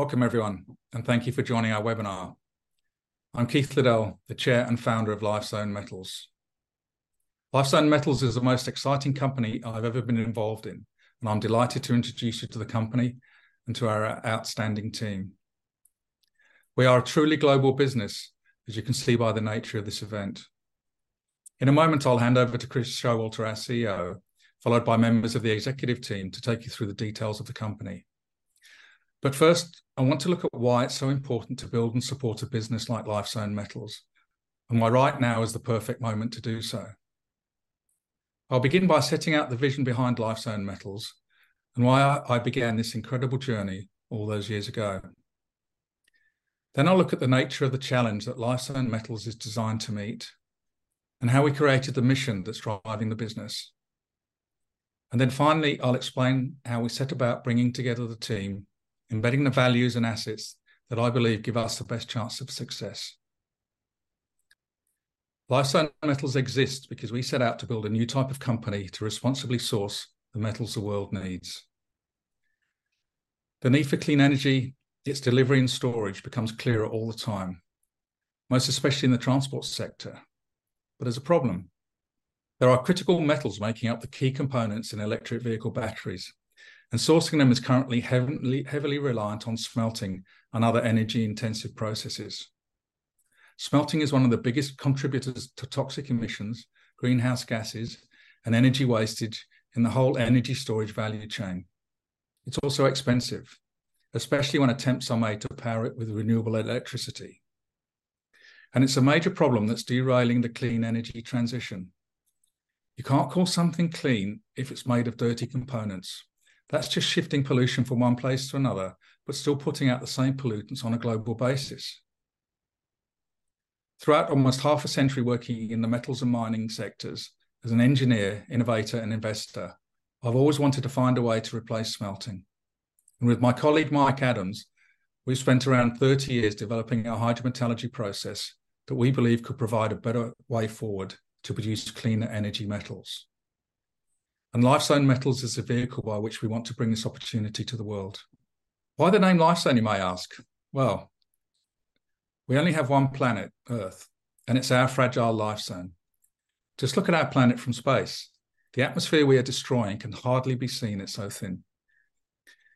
Welcome everyone, thank you for joining our webinar. I'm Keith Liddell, the Chair and founder of Lifezone Metals. Lifezone Metals is the most exciting company I've ever been involved in. I'm delighted to introduce you to the company and to our outstanding team. We are a truly global business, as you can see by the nature of this event. In a moment, I'll hand over to Chris Showalter, our A Chief Executive Officer, followed by members of the executive team to take you through the details of the company. First, I want to look at why it's so important to build and support a business like Lifezone Metals, why right now is the perfect moment to do so. I'll begin by setting out the vision behind Lifezone Metals and why I began this incredible journey all those years ago. I'll look at the nature of the challenge that Lifezone Metals is designed to meet, and how we created the mission that's driving the business. Finally, I'll explain how we set about bringing together the team, embedding the values and assets that I believe give us the best chance of success. Lifezone Metals exists because we set out to build a new type of company to responsibly source the metals the world needs. The need for clean energy, its delivery and storage becomes clearer all the time, most especially in the transport sector. There's a problem. There are critical metals making up the key components in electric vehicle batteries, and sourcing them is currently heavily reliant on smelting and other energy-intensive processes. Smelting is one of the biggest contributors to toxic emissions, greenhouse gases, and energy wastage in the whole energy storage value chain. It's also expensive, especially when attempts are made to power it with renewable electricity, it's a major problem that's derailing the clean energy transition. You can't call something clean if it's made of dirty components. That's just shifting pollution from one place to another, still putting out the same pollutants on a global basis. Throughout almost half a century working in the metals and mining sectors as an engineer, innovator, and investor, I've always wanted to find a way to replace smelting. With my colleague, Mike Adams, we've spent around 30 years developing our Hydrometallurgy process that we believe could provide a better way forward to produce cleaner energy metals. Lifezone Metals is the vehicle by which we want to bring this opportunity to the world. Why the name Lifezone, you may ask? Well, we only have one planet, Earth, it's our fragile life zone. Just look at our planet from space. The atmosphere we are destroying can hardly be seen, it's so thin.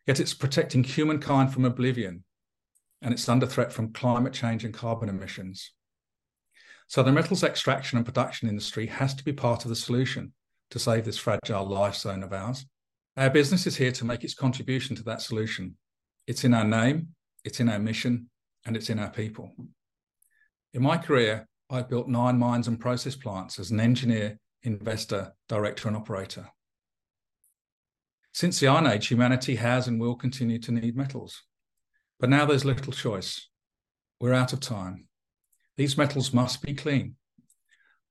Yet it's protecting humankind from oblivion, and it's under threat from climate change and carbon emissions. The metals extraction and production industry has to be part of the solution to save this fragile life zone of ours. Our business is here to make its contribution to that solution. It's in our name, it's in our mission, and it's in our people. In my career, I've built 9 mines and process plants as an engineer, investor, director, and operator. Since the Iron Age, humanity has and will continue to need metals. Now there's little choice. We're out of time. These metals must be clean.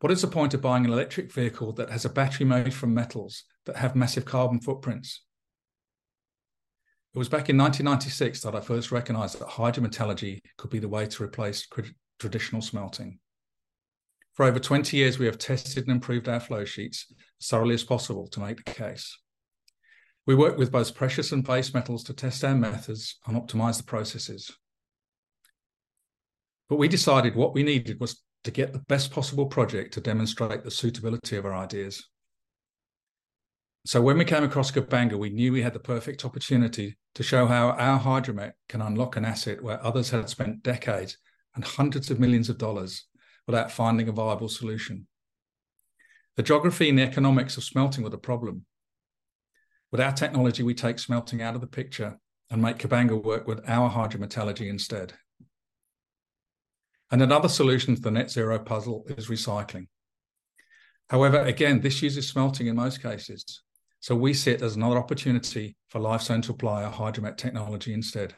What is the point of buying an electric vehicle that has a battery made from metals that have massive carbon footprints? It was back in 1996 that I first recognized that Hydrometallurgy could be the way to replace traditional smelting. For over 20 years, we have tested and improved our flow sheets thoroughly as possible to make the case. We decided what we needed was to get the best possible project to demonstrate the suitability of our ideas. When we came across Kabanga, we knew we had the perfect opportunity to show how our Hydromet can unlock an asset where others had spent decades and hundreds of millions of dollars without finding a viable solution. The geography and the economics of smelting were the problem. With our technology, we take smelting out of the picture and make Kabanga work with our Hydrometallurgy instead. Another solution to the net zero puzzle is recycling. However, again, this uses smelting in most cases, so we see it as another opportunity for Lifezone to apply our Hydromet technology instead.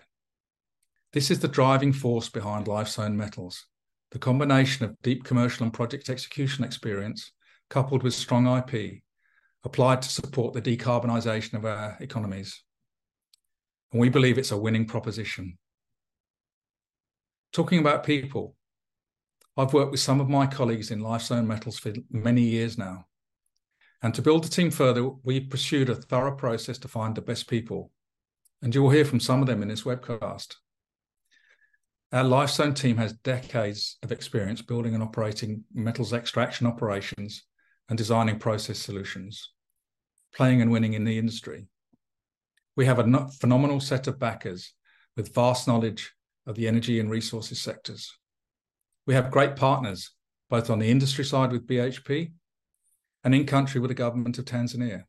This is the driving force behind Lifezone Metals, the combination of deep commercial and project execution experience coupled with strong IP applied to support the decarbonization of our economies. We believe it's a winning proposition. Talking about people, I've worked with some of my colleagues in Lifezone Metals for many years now. To build the team further, we pursued a thorough process to find the best people. You will hear from some of them in this webcast. Our Lifezone team has decades of experience building and operating metals extraction operations and designing process solutions, playing and winning in the industry. We have a phenomenal set of backers with vast knowledge of the energy and resources sectors. We have great partners, both on the industry side with BHP and in country with the government of Tanzania.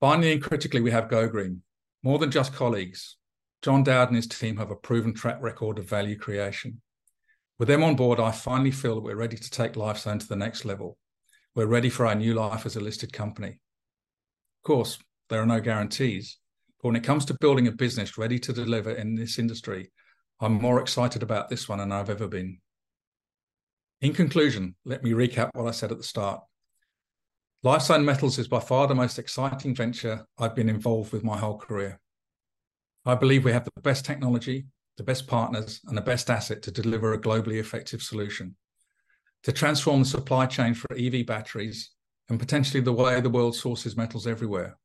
Finally, critically, we have GoGreen. More than just colleagues, John Dowd and his team have a proven track record of value creation. With them on board, I finally feel that we're ready to take Lifezone to the next level. We're ready for our new life as a listed company. Of course, there are no guarantees, when it comes to building a business ready to deliver in this industry, I'm more excited about this one than I've ever been. In conclusion, let me recap what I said at the start. Lifezone Metals is by far the most exciting venture I've been involved with my whole career. I believe we have the best technology, the best partners, and the best asset to deliver a globally effective solution. To transform the supply chain for EV batteries, and potentially the way the world sources metals everywhere.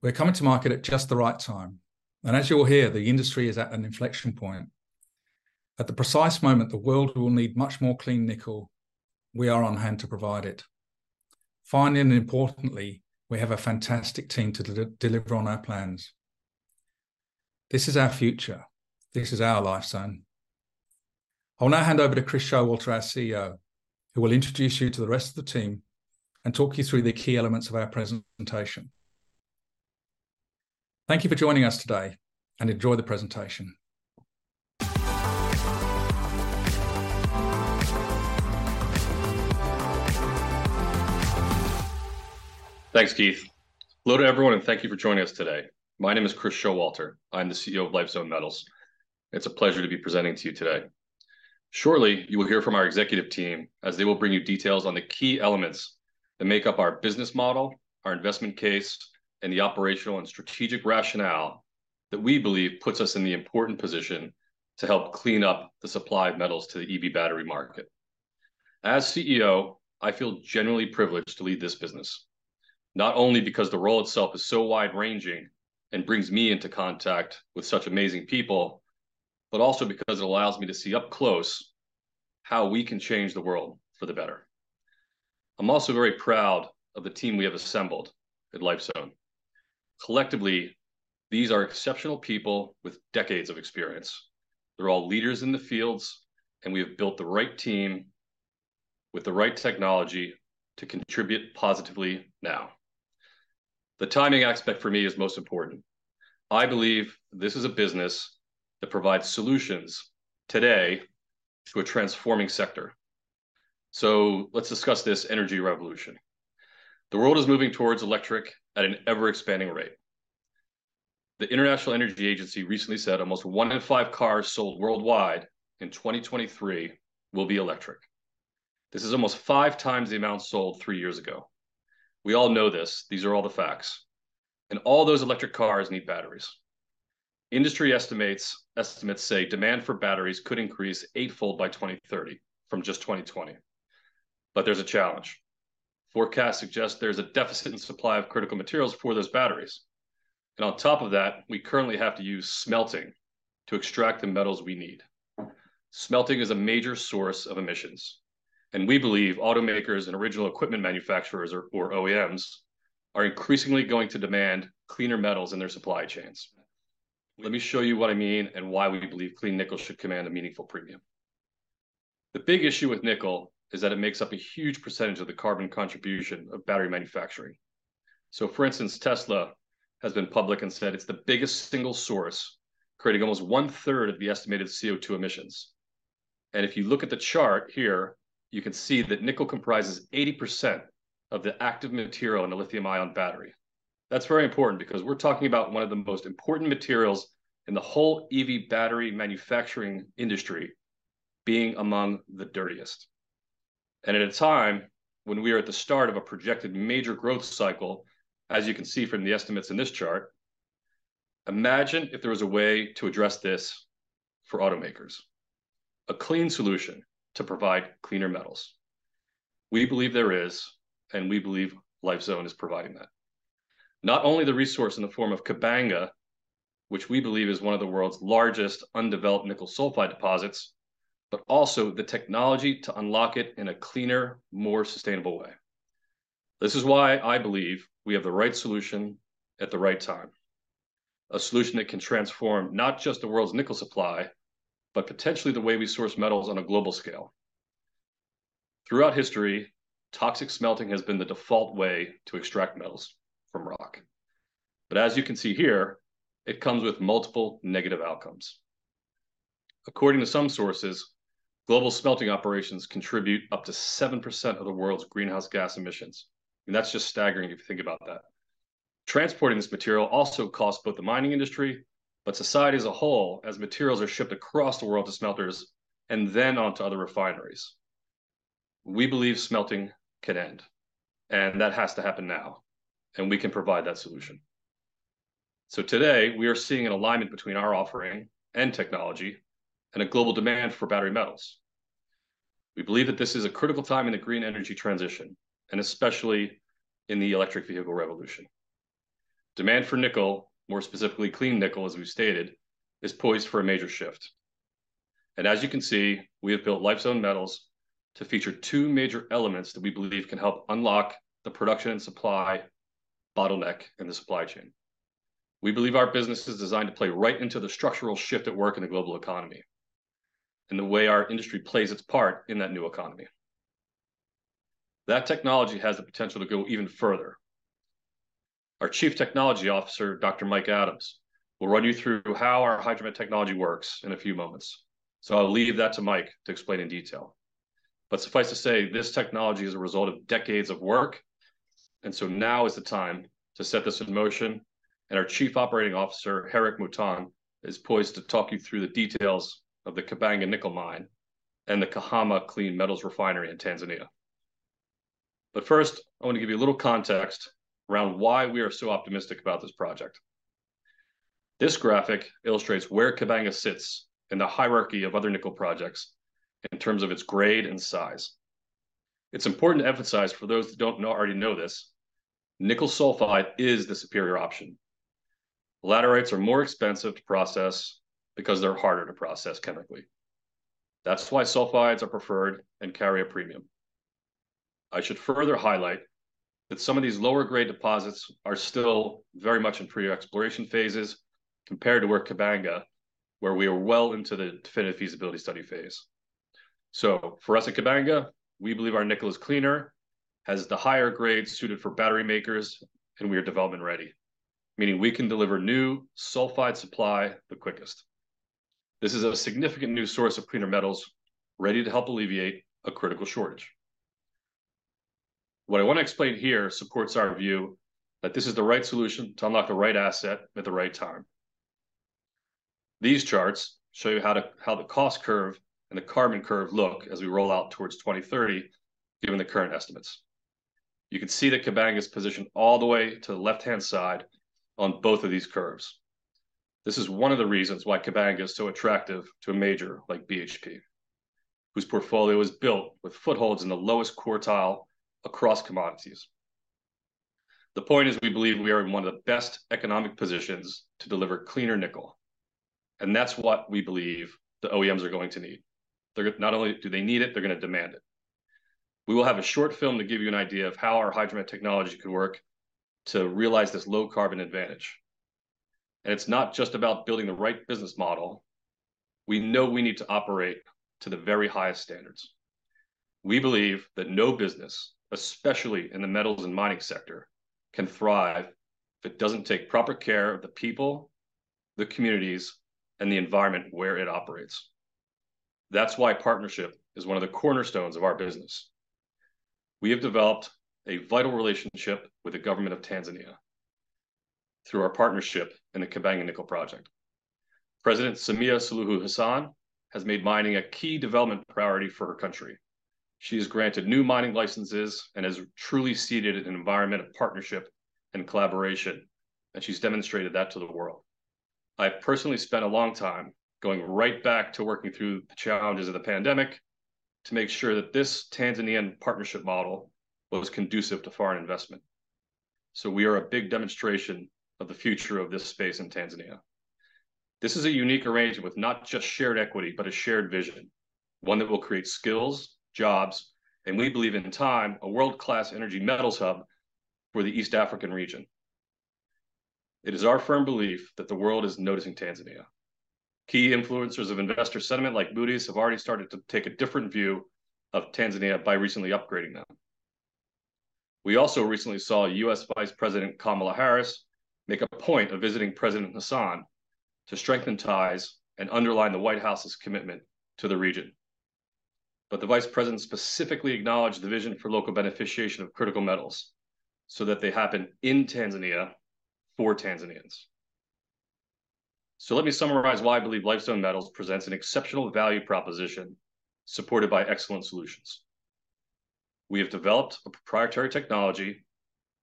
We're coming to market at just the right time, and as you'll hear, the industry is at an inflection point. At the precise moment the world will need much more clean nickel, we are on hand to provide it. Finally, and importantly, we have a fantastic team to deliver on our plans. This is our future. This is our Lifezone. I'll now hand over to Chris Showalter, our A Chief Executive Officer, who will introduce you to the rest of the team and talk you through the key elements of our presentation. Thank you for joining us today, and enjoy the presentation. Thanks, Keith. Hello to everyone, and thank you for joining us today. My name is Chris Showalter. I'm the A Chief Executive Officer of Lifezone Metals. It's a pleasure to be presenting to you today. Shortly, you will hear from our executive team, as they will bring you details on the key elements that make up our business model, our investment case, and the operational and strategic rationale that we believe puts us in the important position to help clean up the supply of metals to the EV battery market. As a Chief Executive Officer, I feel generally privileged to lead this business, not only because the role itself is so wide-ranging and brings me into contact with such amazing people, but also because it allows me to see up close how we can change the world for the better. I'm also very proud of the team we have assembled at Lifezone. Collectively, these are exceptional people with decades of experience. They're all leaders in the fields, and we have built the right team with the right technology to contribute positively now. The timing aspect for me is most important. I believe this is a business that provides solutions today to a transforming sector. Let's discuss this energy revolution. The world is moving towards electric at an ever-expanding rate. The International Energy Agency recently said almost one in five cars sold worldwide in 2023 will be electric. This is almost five times the amount sold three years ago. We all know this. These are all the facts. All those electric cars need batteries. Industry estimates say demand for batteries could increase eightfold by 2030 from just 2020. There's a challenge. Forecasts suggest there's a deficit in supply of critical materials for those batteries. On top of that, we currently have to use smelting to extract the metals we need. Smelting is a major source of emissions, and we believe automakers and original equipment manufacturers, or OEMs, are increasingly going to demand cleaner metals in their supply chains. Let me show you what I mean and why we believe clean nickel should command a meaningful premium. The big issue with nickel is that it makes up a huge percentage of the carbon contribution of battery manufacturing. For instance, Tesla has been public and said it's the biggest single source, creating almost one-third of the estimated CO2 emissions. If you look at the chart here, you can see that nickel comprises 80% of the active material in a lithium-ion battery. That's very important because we're talking about one of the most important materials in the whole EV battery manufacturing industry being among the dirtiest. At a time when we are at the start of a projected major growth cycle, as you can see from the estimates in this chart, imagine if there was a way to address this for automakers. A clean solution to provide cleaner metals. We believe there is, and we believe Lifezone is providing that. Not only the resource in the form of Kabanga, which we believe is one of the world's largest undeveloped nickel sulfide deposits, but also the technology to unlock it in a cleaner, more sustainable way. This is why I believe we have the right solution at the right time, a solution that can transform not just the world's nickel supply, but potentially the way we source metals on a global scale. Throughout history, toxic smelting has been the default way to extract metals from rock. As you can see here, it comes with multiple negative outcomes. According to some sources, global smelting operations contribute up to 7% of the world's greenhouse gas emissions. That's just staggering if you think about that. Transporting this material also costs both the mining industry but society as a whole, as materials are shipped across the world to smelters and then on to other refineries. We believe smelting can end, and that has to happen now, and we can provide that solution. Today, we are seeing an alignment between our offering and technology and a global demand for battery metals. We believe that this is a critical time in the green energy transition, and especially in the electric vehicle revolution. Demand for nickel, more specifically clean nickel, as we've stated, is poised for a major shift. As you can see, we have built Lifezone Metals to feature two major elements that we believe can help unlock the production and supply bottleneck in the supply chain. We believe our business is designed to play right into the structural shift at work in the global economy and the way our industry plays its part in that new economy. That technology has the potential to go even further. Our Chief Technology Officer, Dr. Mike Adams, will run you through how our Hydromet technology works in a few moments, so I'll leave that to Mike to explain in detail. Suffice to say, this technology is a result of decades of work, and so now is the time to set this in motion. Our Chief Operating Officer, Gerick Mouton, is poised to talk you through the details of the Kabanga Nickel Project and the Kahama Refinery in Tanzania. First, I want to give you a little context around why we are so optimistic about this project. This graphic illustrates where Kabanga sits in the hierarchy of other nickel projects in terms of its grade and size. It's important to emphasize for those that already know this, nickel sulfide is the superior option. Laterites are more expensive to process because they're harder to process chemically. That's why sulfides are preferred and carry a premium. I should further highlight that some of these lower grade deposits are still very much in pre-exploration phases compared to where Kabanga, where we are well into the definitive feasibility study phase. For us at Kabanga, we believe our nickel is cleaner, has the higher grade suited for battery makers, and we are development ready, meaning we can deliver new sulfide supply the quickest. This is a significant new source of cleaner metals ready to help alleviate a critical shortage. What I want to explain here supports our view that this is the right solution to unlock the right asset at the right time. These charts show you how the cost curve and the carbon curve look as we roll out towards 2030 given the current estimates. You can see that Kabanga is positioned all the way to the left-hand side on both of these curves. This is one of the reasons why Kabanga is so attractive to a major like BHP, whose portfolio is built with footholds in the lowest quartile across commodities. The point is we believe we are in one of the best economic positions to deliver cleaner nickel, and that's what we believe the OEMs are going to need. Not only do they need it, they're gonna demand it. We will have a short film to give you an idea of how our Hydromet technology could work to realize this low-carbon advantage. It's not just about building the right business model. We know we need to operate to the very highest standards. We believe that no business, especially in the metals and mining sector, can thrive if it doesn't take proper care of the people, the communities, and the environment where it operates. That's why partnership is one of the cornerstones of our business. We have developed a vital relationship with the Government of Tanzania through our partnership in the Kabanga Nickel Project. President Samia Suluhu Hassan has made mining a key development priority for her country. She has granted new mining licenses and has truly seeded an environment of partnership and collaboration, and she's demonstrated that to the world. I personally spent a long time going right back to working through the challenges of the pandemic to make sure that this Tanzanian partnership model was conducive to foreign investment. We are a big demonstration of the future of this space in Tanzania. This is a unique arrangement with not just shared equity, but a shared vision, one that will create skills, jobs, and we believe in time, a world-class energy metals hub for the East African region. It is our firm belief that the world is noticing Tanzania. Key influencers of investor sentiment like Moody's have already started to take a different view of Tanzania by recently upgrading them. We also recently saw U.S. Vice President Kamala Harris make a point of visiting President Hassan to strengthen ties and underline the White House's commitment to the region. The Vice President specifically acknowledged the vision for local beneficiation of critical metals so that they happen in Tanzania for Tanzanians. Let me summarize why I believe Lifezone Metals presents an exceptional value proposition supported by excellent solutions. We have developed a proprietary technology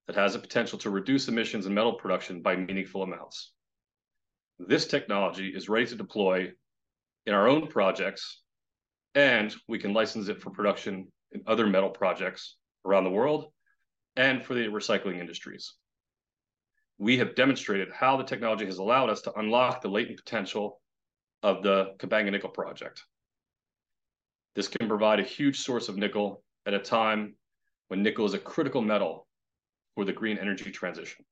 that has the potential to reduce emissions in metal production by meaningful amounts. This technology is ready to deploy in our own projects, and we can license it for production in other metal projects around the world and for the recycling industries. We have demonstrated how the technology has allowed us to unlock the latent potential of the Kabanga Nickel Project. This can provide a huge source of nickel at a time when nickel is a critical metal for the green energy transition.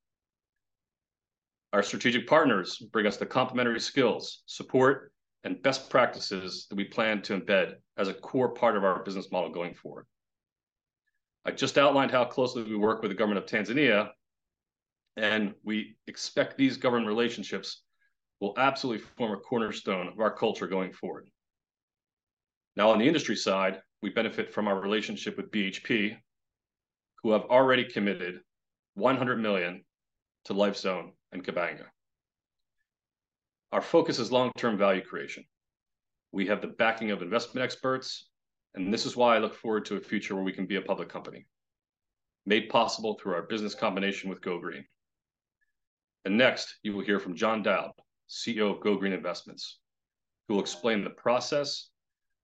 Our strategic partners bring us the complementary skills, support, and best practices that we plan to embed as a core part of our business model going forward. I just outlined how closely we work with the government of Tanzania, and we expect these government relationships will absolutely form a cornerstone of our culture going forward. Now, on the industry side, we benefit from our relationship with BHP, who have already committed $100 million to Lifezone and Kabanga. Our focus is long-term value creation. We have the backing of investment experts, and this is why I look forward to a future where we can be a public company, made possible through our business combination with GoGreen. Next, you will hear from John Dowd, a Chief Executive Officer of GoGreen Investments, who will explain the process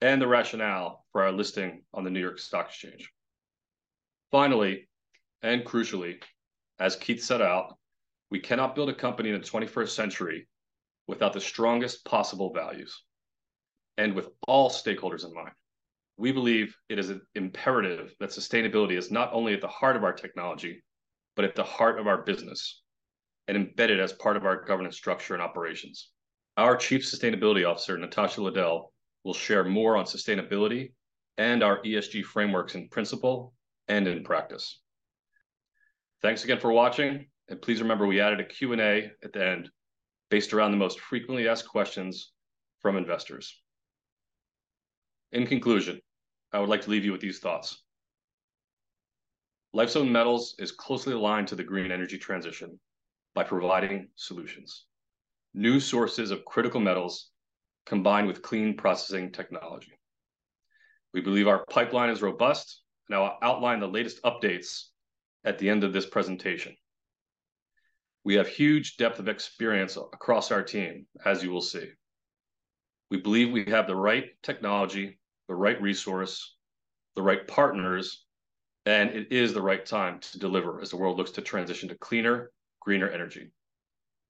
and the rationale for our listing on the New York Stock Exchange. Finally, and crucially, as Keith set out, we cannot build a company in the twenty-first century without the strongest possible values and with all stakeholders in mind. We believe it is imperative that sustainability is not only at the heart of our technology, but at the heart of our business and embedded as part of our governance structure and operations. Our Chief Sustainability Officer, Natasha Liddell, will share more on sustainability and our ESG frameworks in principle and in practice. Thanks again for watching. Please remember we added a Q&A at the end based around the most frequently asked questions from investors. In conclusion, I like to leave you with these thoughts. Lifezone Metals is closely aligned to the green energy transition by providing solutions. New sources of critical metals combined with clean processing technology. We believe our pipeline is robust, and I'll outline the latest updates at the end of this presentation. We have huge depth of experience across our team, as you will see. We believe we have the right technology, the right resource, the right partners, and it is the right time to deliver as the world looks to transition to cleaner, greener energy.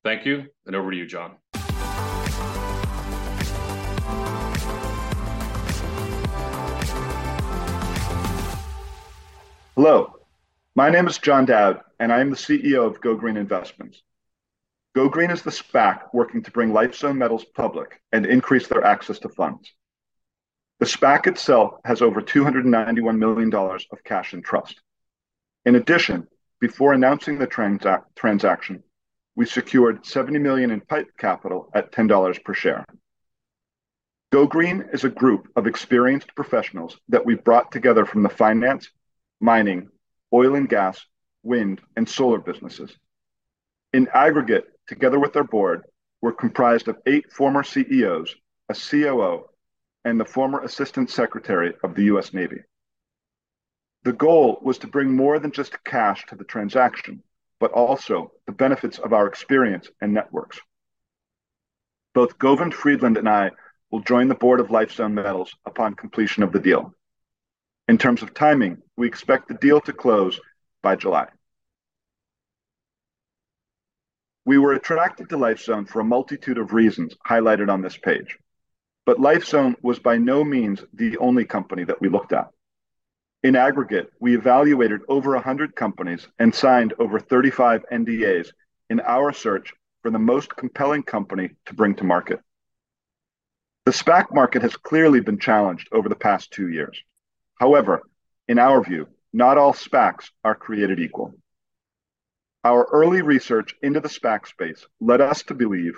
Thank you. Over to you, John. Hello, my name is John Dowd, I am the A Chief Executive Officer of GoGreen Investments. GoGreen is the SPAC working to bring Lifezone Metals public and increase their access to funds. The SPAC itself has over $291 million of cash in trust. In addition, before announcing the transaction, we secured $70 million in PIPE capital at $10 per share. GoGreen is a group of experienced professionals that we brought together from the finance, mining, oil and gas, wind and solar businesses. In aggregate, together with our board, we're comprised of eight former A Chief Executive Officer's, a Chief Operating Officer, and the former Assistant Secretary of the U.S. Navy. The goal was to bring more than just cash to the transaction, but also the benefits of our experience and networks. Both Govind Friedland and I will join the board of Lifezone Metals upon completion of the deal. In terms of timing, we expect the deal to close by July. We were attracted to LifeZone for a multitude of reasons highlighted on this page, but LifeZone was by no means the only company that we looked at. In aggregate, we evaluated over 100 companies and signed over 35 NDAs in our search for the most compelling company to bring to market. The SPAC market has clearly been challenged over the past two years. In our view, not all SPACs are created equal. Our early research into the SPAC space led us to believe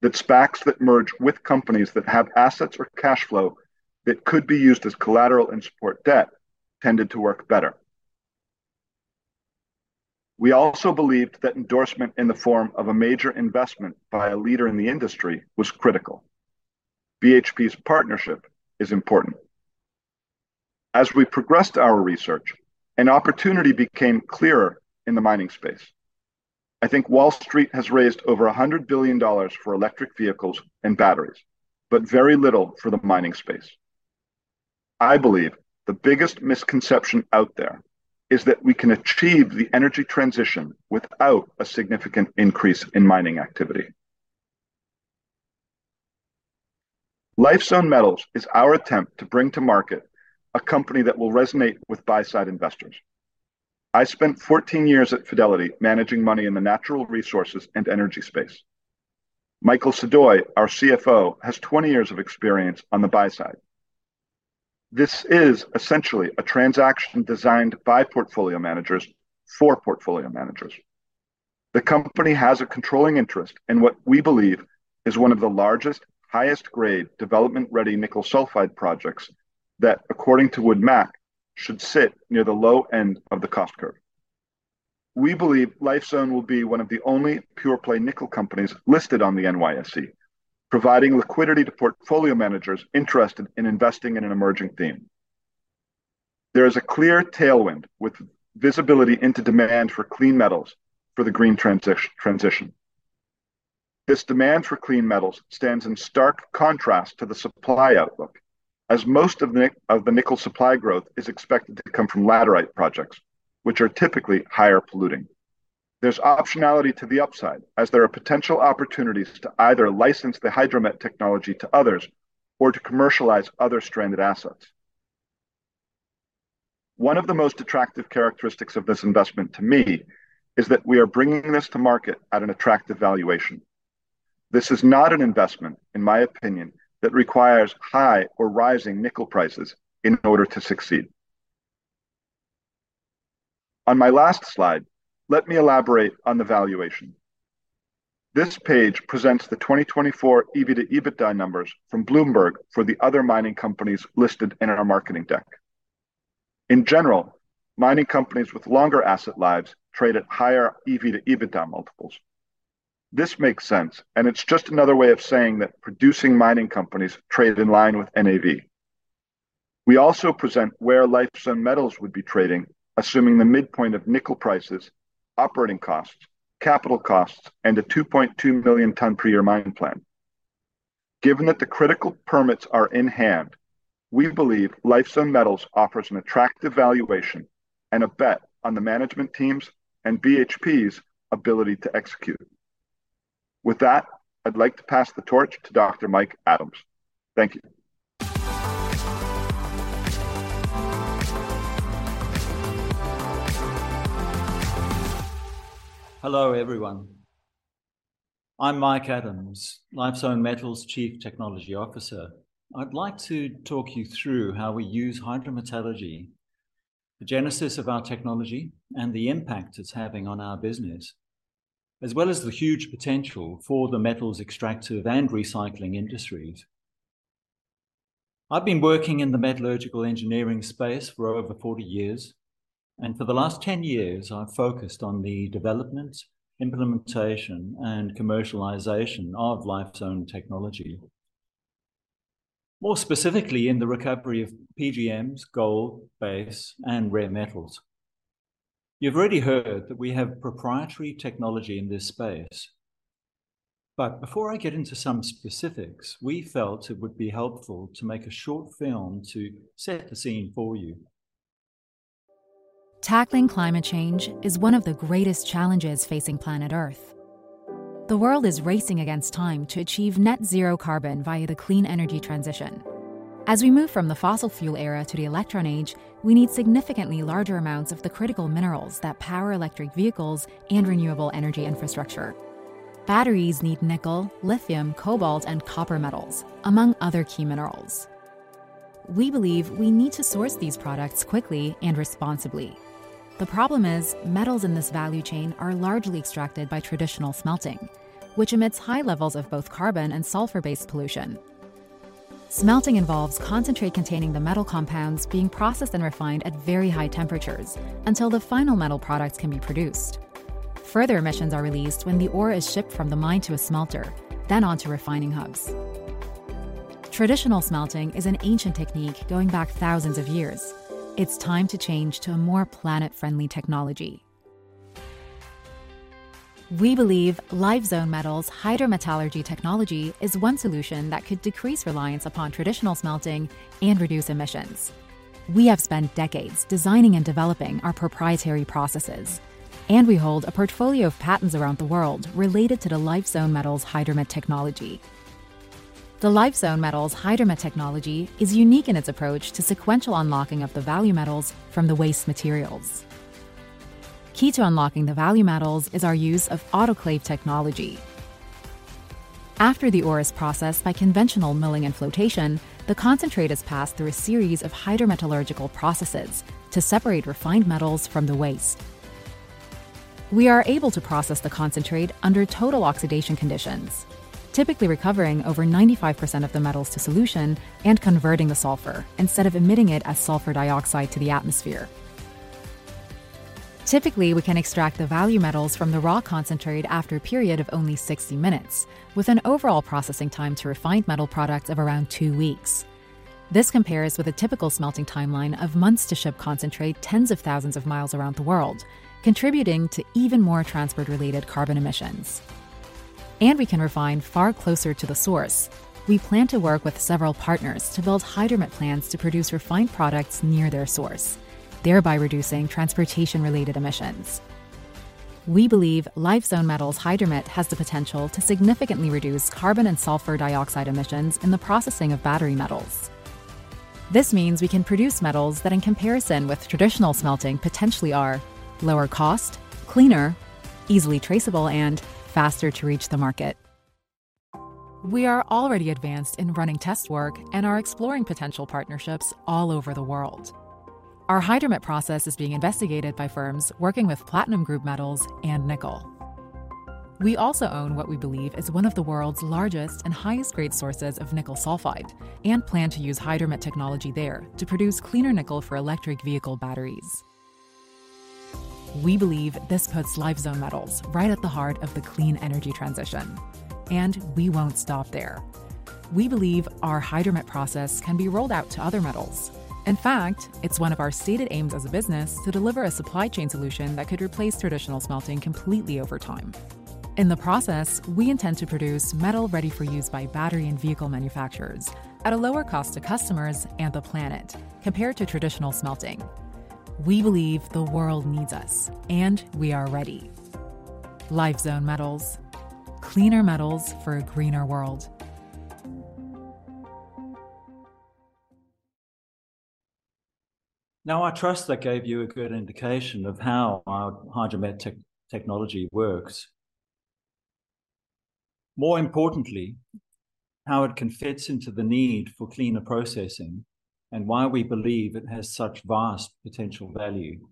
that SPACs that merge with companies that have assets or cash flow that could be used as collateral and support debt tended to work better. We also believed that endorsement in the form of a major investment by a leader in the industry was critical. BHP's partnership is important. As we progressed our research, an opportunity became clearer in the mining space. I think Wall Street has raised over $100 billion for electric vehicles and batteries, but very little for the mining space. I believe the biggest misconception out there is that we can achieve the energy transition without a significant increase in mining activity. Lifezone Metals is our attempt to bring to market a company that will resonate with buy side investors. I spent 14 years at Fidelity managing money in the natural resources and energy space. Ingo Hofmaier, our Chief Financial Officer, has 20 years of experience on the buy side. This is essentially a transaction designed by portfolio managers for portfolio managers. The company has a controlling interest in what we believe is one of the largest, highest grade development-ready nickel sulfide projects that, according to WoodMac, should sit near the low end of the cost curve. We believe Lifezone will be one of the only pure play nickel companies listed on the NYSE, providing liquidity to portfolio managers interested in investing in an emerging theme. There is a clear tailwind with visibility into demand for clean metals for the green transition. This demand for clean metals stands in stark contrast to the supply outlook, as most of the nickel supply growth is expected to come from laterite projects, which are typically higher polluting. There's optionality to the upside, as there are potential opportunities to either license the Hydromet technology to others or to commercialize other stranded assets. One of the most attractive characteristics of this investment to me is that we are bringing this to market at an attractive valuation. This is not an investment, in my opinion, that requires high or rising nickel prices in order to succeed. On my last slide, let me elaborate on the valuation. This page presents the 2024 EV to EBITDA numbers from Bloomberg for the other mining companies listed in our marketing deck. In general, mining companies with longer asset lives trade at higher EV to EBITDA multiples. This makes sense, and it's just another way of saying that producing mining companies trade in line with NAV. We also present where Lifezone Metals would be trading, assuming the midpoint of nickel prices, operating costs, capital costs, and a 2.2 million ton per year mine plan. Given that the critical permits are in hand, we believe Lifezone Metals offers an attractive valuation and a bet on the management teams and BHP's ability to execute. With that, I'd like to pass the torch to Dr. Mike Adams. Thank you. Hello, everyone. I'm Mike Adams, Lifezone Metals Chief Technology Officer. I'd like to talk you through how we use Hydrometallurgy, the genesis of our technology, and the impact it's having on our business, as well as the huge potential for the metals extractive and recycling industries. I've been working in the metallurgical engineering space for over 40 years, and for the last 10 years I've focused on the development, implementation, and commercialization of Lifezone technology. More specifically, in the recovery of PGMs, gold, base, and rare metals. You've already heard that we have proprietary technology in this space. Before I get into some specifics, we felt it would be helpful to make a short film to set the scene for you. Tackling climate change is one of the greatest challenges facing planet Earth. The world is racing against time to achieve net zero carbon via the clean energy transition. As we move from the fossil fuel era to the electron age, we need significantly larger amounts of the critical minerals that power electric vehicles and renewable energy infrastructure. Batteries need nickel, lithium, cobalt, and copper metals, among other key minerals. We believe we need to source these products quickly and responsibly. The problem is, metals in this value chain are largely extracted by traditional smelting, which emits high levels of both carbon and sulfur-based pollution. Smelting involves concentrate containing the metal compounds being processed and refined at very high temperatures until the final metal products can be produced. Further emissions are released when the ore is shipped from the mine to a smelter, then on to refining hubs. Traditional smelting is an ancient technique going back thousands of years. It's time to change to a more planet-friendly technology. We believe Lifezone Metals' Hydrometallurgy technology is one solution that could decrease reliance upon traditional smelting and reduce emissions. We hold a portfolio of patents around the world related to the Lifezone Metals Hydromet technology. The Lifezone Metals Hydromet technology is unique in its approach to sequential unlocking of the value metals from the waste materials. Key to unlocking the value metals is our use of autoclave technology. After the ore is processed by conventional milling and flotation, the concentrate is passed through a series of Hydrometallurgical processes to separate refined metals from the waste. We are able to process the concentrate under total oxidation conditions, typically recovering over 95% of the metals to solution and converting the sulfur instead of emitting it as sulfur dioxide to the atmosphere. Typically, we can extract the value metals from the raw concentrate after a period of only 60 minutes, with an overall processing time to refined metal products of around 2 weeks. This compares with a typical smelting timeline of months to ship concentrate tens of thousands of miles around the world, contributing to even more transport-related carbon emissions. We can refine far closer to the source. We plan to work with several partners to build Hydromet plants to produce refined products near their source, thereby reducing transportation-related emissions. We believe Lifezone Metals Hydromet has the potential to significantly reduce carbon and sulfur dioxide emissions in the processing of battery metals. This means we can produce metals that, in comparison with traditional smelting, potentially are lower cost, cleaner, easily traceable, and faster to reach the market. We are already advanced in running test work and are exploring potential partnerships all over the world. Our Hydromet process is being investigated by firms working with platinum group metals and nickel. We also own what we believe is one of the world's largest and highest grade sources of nickel sulfide, and plan to use Hydromet technology there to produce cleaner nickel for electric vehicle batteries. We believe this puts Lifezone Metals right at the heart of the clean energy transition. We won't stop there. We believe our Hydromet process can be rolled out to other metals. In fact, it's one of our stated aims as a business to deliver a supply chain solution that could replace traditional smelting completely over time. In the process, we intend to produce metal ready for use by battery and vehicle manufacturers at a lower cost to customers and the planet compared to traditional smelting. We believe the world needs us. We are ready. Lifezone Metals. Cleaner metals for a greener world. I trust that gave you a good indication of how our Hydromet technology works. More importantly, how it can fit into the need for cleaner processing, and why we believe it has such vast potential value.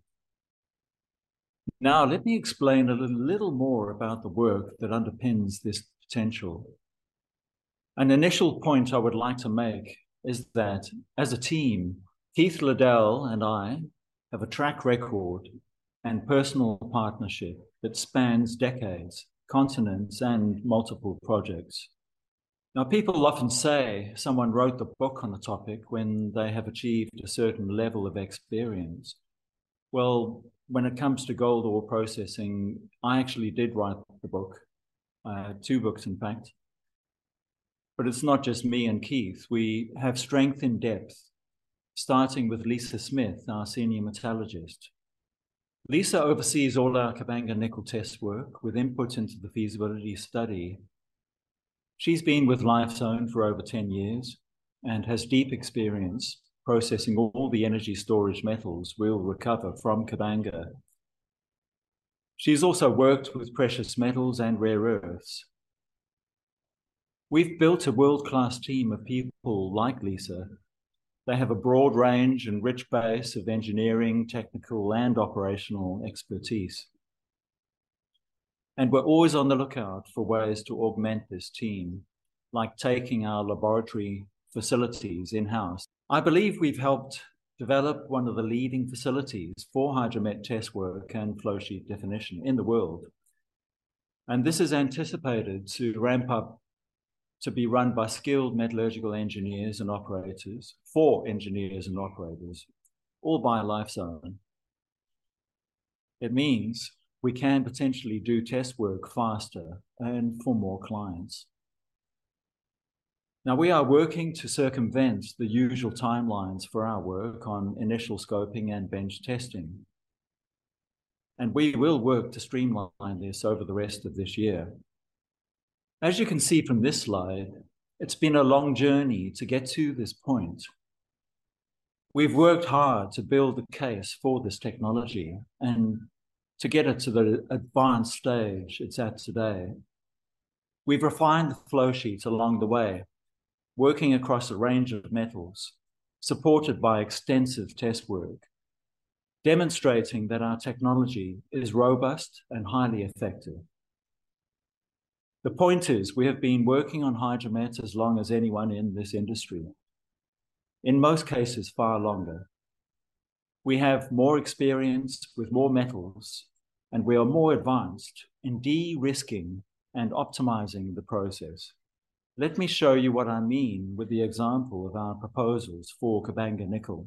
Let me explain a little more about the work that underpins this potential. An initial point I would like to make is that, as a team, Keith Liddell and I have a track record and personal partnership that spans decades, continents, and multiple projects. People often say someone wrote the book on the topic when they have achieved a certain level of experience. Well, when it comes to gold ore processing, I actually did write the book. Two books, in fact. It's not just me and Keith. We have strength in depth, starting with Lisa Smith, our senior metallurgist. Lisa oversees all our Kabanga nickel test work, with input into the feasibility study. She's been with Lifezone for over 10 years and has deep experience processing all the energy storage metals we'll recover from Kabanga. She's also worked with precious metals and rare earths. We've built a world-class team of people like Lisa. They have a broad range and rich base of engineering, technical, and operational expertise. We're always on the lookout for ways to augment this team, like taking our laboratory facilities in-house. I believe we've helped develop one of the leading facilities for Hydromet test work and flow sheet definition in the world, and this is anticipated to ramp up to be run by skilled metallurgical engineers and operators for engineers and operators, all by Lifezone. It means we can potentially do test work faster and for more clients. We are working to circumvent the usual timelines for our work on initial scoping and bench testing, and we will work to streamline this over the rest of this year. As you can see from this slide, it's been a long journey to get to this point. We've worked hard to build the case for this technology and to get it to the advanced stage it's at today. We've refined the flow sheets along the way, working across a range of metals, supported by extensive test work, demonstrating that our technology is robust and highly effective. The point is, we have been working on Hydromet as long as anyone in this industry. In most cases, far longer. We have more experience with more metals, and we are more advanced in de-risking and optimizing the process. Let me show you what I mean with the example of our proposals for Kabanga Nickel.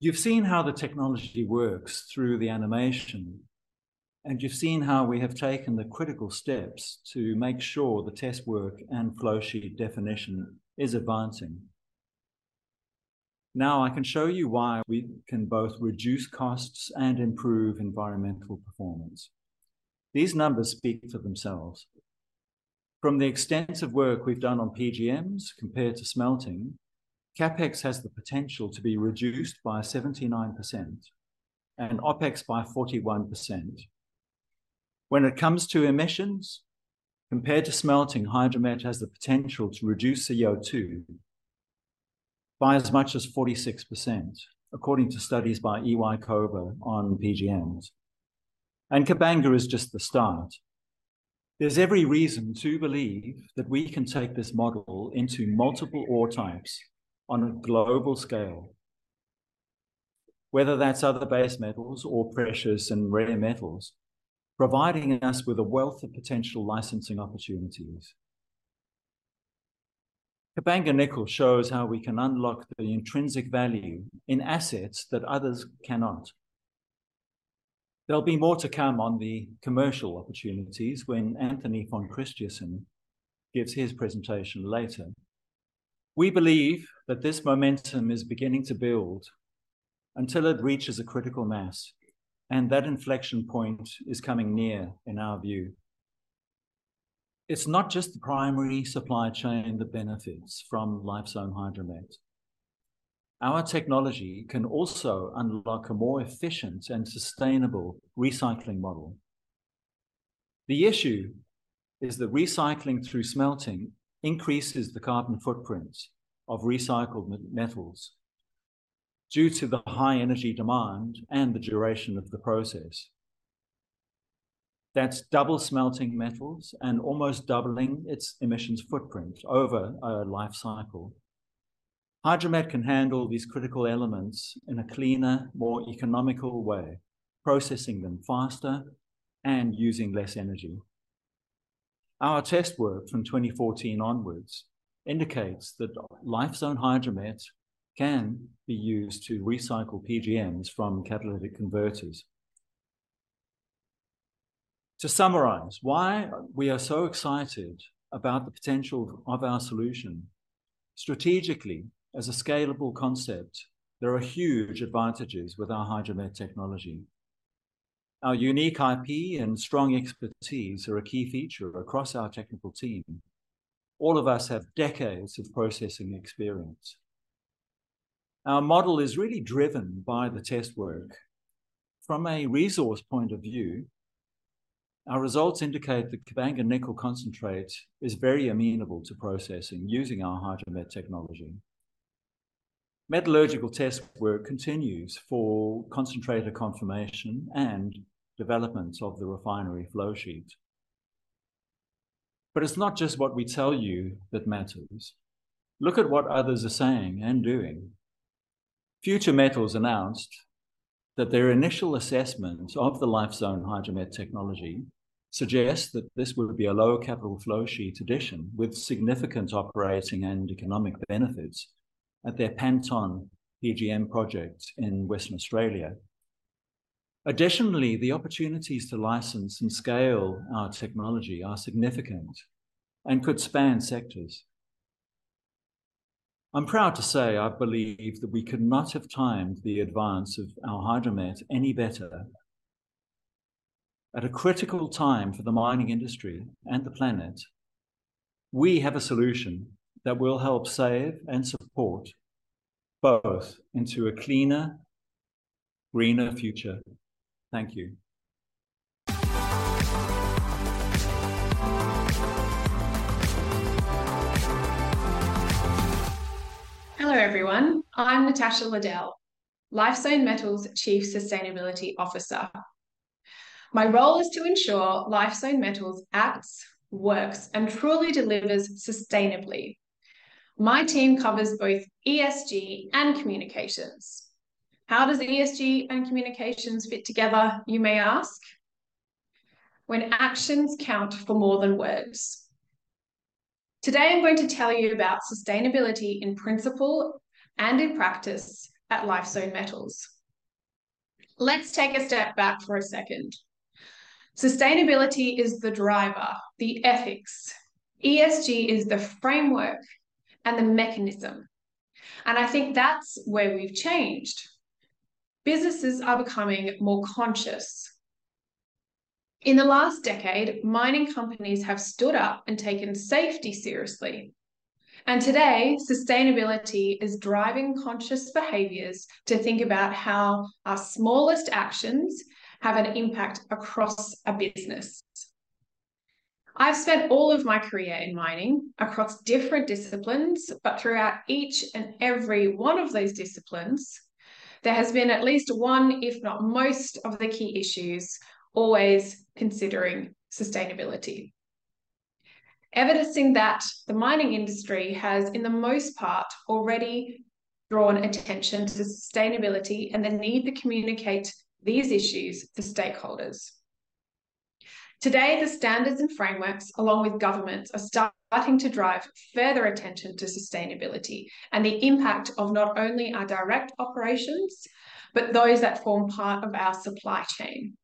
You've seen how the technology works through the animation, and you've seen how we have taken the critical steps to make sure the test work and flow sheet definition is advancing. Now I can show you why we can both reduce costs and improve environmental performance. These numbers speak for themselves. From the extensive work we've done on PGMs compared to smelting, CapEx has the potential to be reduced by 79% and OpEx by 41%. When it comes to emissions, compared to smelting, Hydromet has the potential to reduce CO2 by as much as 46%, according to studies by EY Cova on PGMs. Kabanga is just the start. There's every reason to believe that we can take this model into multiple ore types on a global scale, whether that's other base metals or precious and rare metals, providing us with a wealth of potential licensing opportunities. Kabanga Nickel shows how we can unlock the intrinsic value in assets that others cannot. There'll be more to come on the commercial opportunities when Anthony von Christierson gives his presentation later. We believe that this momentum is beginning to build until it reaches a critical mass. That inflection point is coming near, in our view. It's not just the primary supply chain that benefits from Lifezone Hydromet. Our technology can also unlock a more efficient and sustainable recycling model. The issue is that recycling through smelting increases the carbon footprints of recycled metals due to the high energy demand and the duration of the process. That's double smelting metals and almost doubling its emissions footprint over a life cycle. Hydromet can handle these critical elements in a cleaner, more economical way, processing them faster and using less energy. Our test work from 2014 onwards indicates that Lifezone Hydromet can be used to recycle PGMs from catalytic converters. To summarize why we are so excited about the potential of our solution, strategically, as a scalable concept, there are huge advantages with our Hydromet technology. Our unique IP and strong expertise are a key feature across our technical team. All of us have decades of processing experience. Our model is really driven by the test work. From a resource point of view, our results indicate that Kabanga Nickel concentrate is very amenable to processing using our Hydromet technology. Metallurgical test work continues for concentrator confirmation and development of the refinery flow sheet. It's not just what we tell you that matters. Look at what others are saying and doing. Future Metals announced that their initial assessment of the Lifezone Hydromet technology suggests that this would be a low capital flow sheet addition with significant operating and economic benefits at their Panton PGM Project in Western Australia. Additionally, the opportunities to license and scale our technology are significant and could span sectors. I'm proud to say I believe that we could not have timed the advance of our Hydromet any better. At a critical time for the mining industry and the planet, we have a solution that will help save and support both into a cleaner, greener future. Thank you. Everyone. I'm Natasha Liddell, Lifezone Metals' Chief Sustainability Officer. My role is to ensure Lifezone Metals acts, works, and truly delivers sustainably. My team covers both ESG and communications. How does ESG and communications fit together, you may ask? When actions count for more than words. Today, I'm going to tell you about sustainability in principle and in practice at Lifezone Metals. Let's take a step back for a second. Sustainability is the driver, the ethics. ESG is the framework and the mechanism. I think that's where we've changed. Businesses are becoming more conscious. In the last decade, mining companies have stood up and taken safety seriously, and today, sustainability is driving conscious behaviors to think about how our smallest actions have an impact across a business. I've spent all of my career in mining across different disciplines, throughout each and every one of those disciplines, there has been at least one, if not most, of the key issues always considering sustainability. Evidencing that, the mining industry has, in the most part, already drawn attention to sustainability and the need to communicate these issues to stakeholders. Today, the standards and frameworks, along with governments, are starting to drive further attention to sustainability and the impact of not only our direct operations, but those that form part of our supply chain.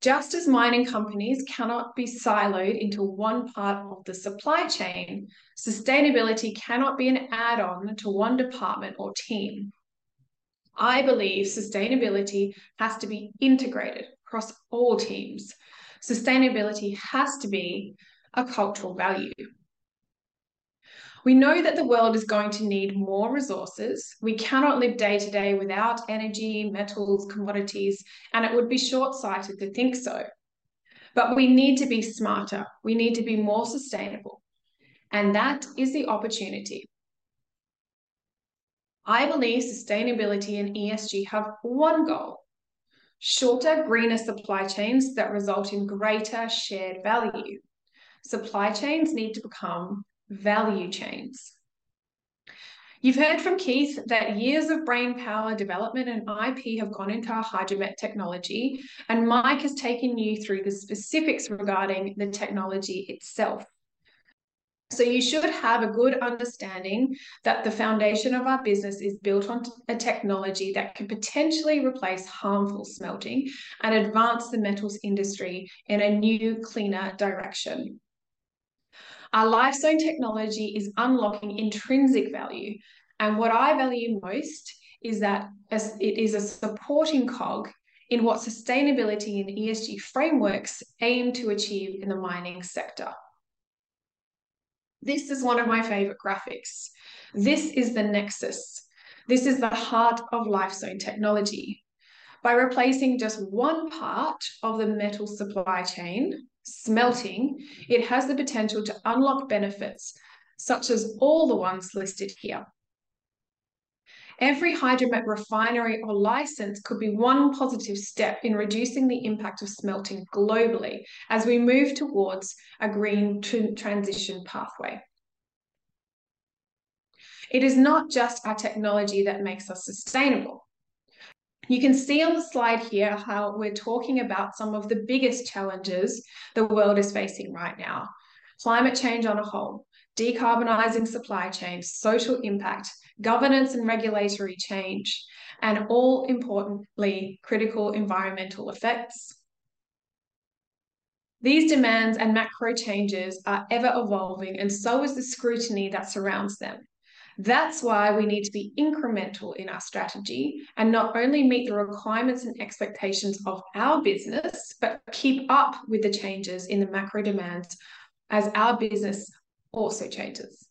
Just as mining companies cannot be siloed into one part of the supply chain, sustainability cannot be an add-on to one department or team. I believe sustainability has to be integrated across all teams. Sustainability has to be a cultural value. We know that the world is going to need more resources. We cannot live day-to-day without energy, metals, commodities, and it would be short-sighted to think so, but we need to be smarter. We need to be more sustainable, and that is the opportunity. I believe sustainability and ESG have 1 goal: shorter, greener supply chains that result in greater shared value. Supply chains need to become value chains. You've heard from Keith that years of brainpower development and IP have gone into our Hydromet technology, and Mike has taken you through the specifics regarding the technology itself. You should have a good understanding that the foundation of our business is built on a technology that could potentially replace harmful smelting and advance the metals industry in a new, cleaner direction. Our Lifezone technology is unlocking intrinsic value. What I value most is that, as it is a supporting cog in what sustainability and ESG frameworks aim to achieve in the mining sector. This is one of my favorite graphics. This is the nexus. This is the heart of Lifezone technology. By replacing just one part of the metal supply chain, smelting, it has the potential to unlock benefits such as all the ones listed here. Every Hydromet refinery or license could be one positive step in reducing the impact of smelting globally as we move towards a green transition pathway. It is not just our technology that makes us sustainable. You can see on the slide here how we're talking about some of the biggest challenges the world is facing right now. Climate change on a whole, decarbonizing supply chains, social impact, governance and regulatory change, and all importantly, critical environmental effects. These demands and macro changes are ever-evolving, and so is the scrutiny that surrounds them. That's why we need to be incremental in our strategy and not only meet the requirements and expectations of our business, but keep up with the changes in the macro demands as our business also changes.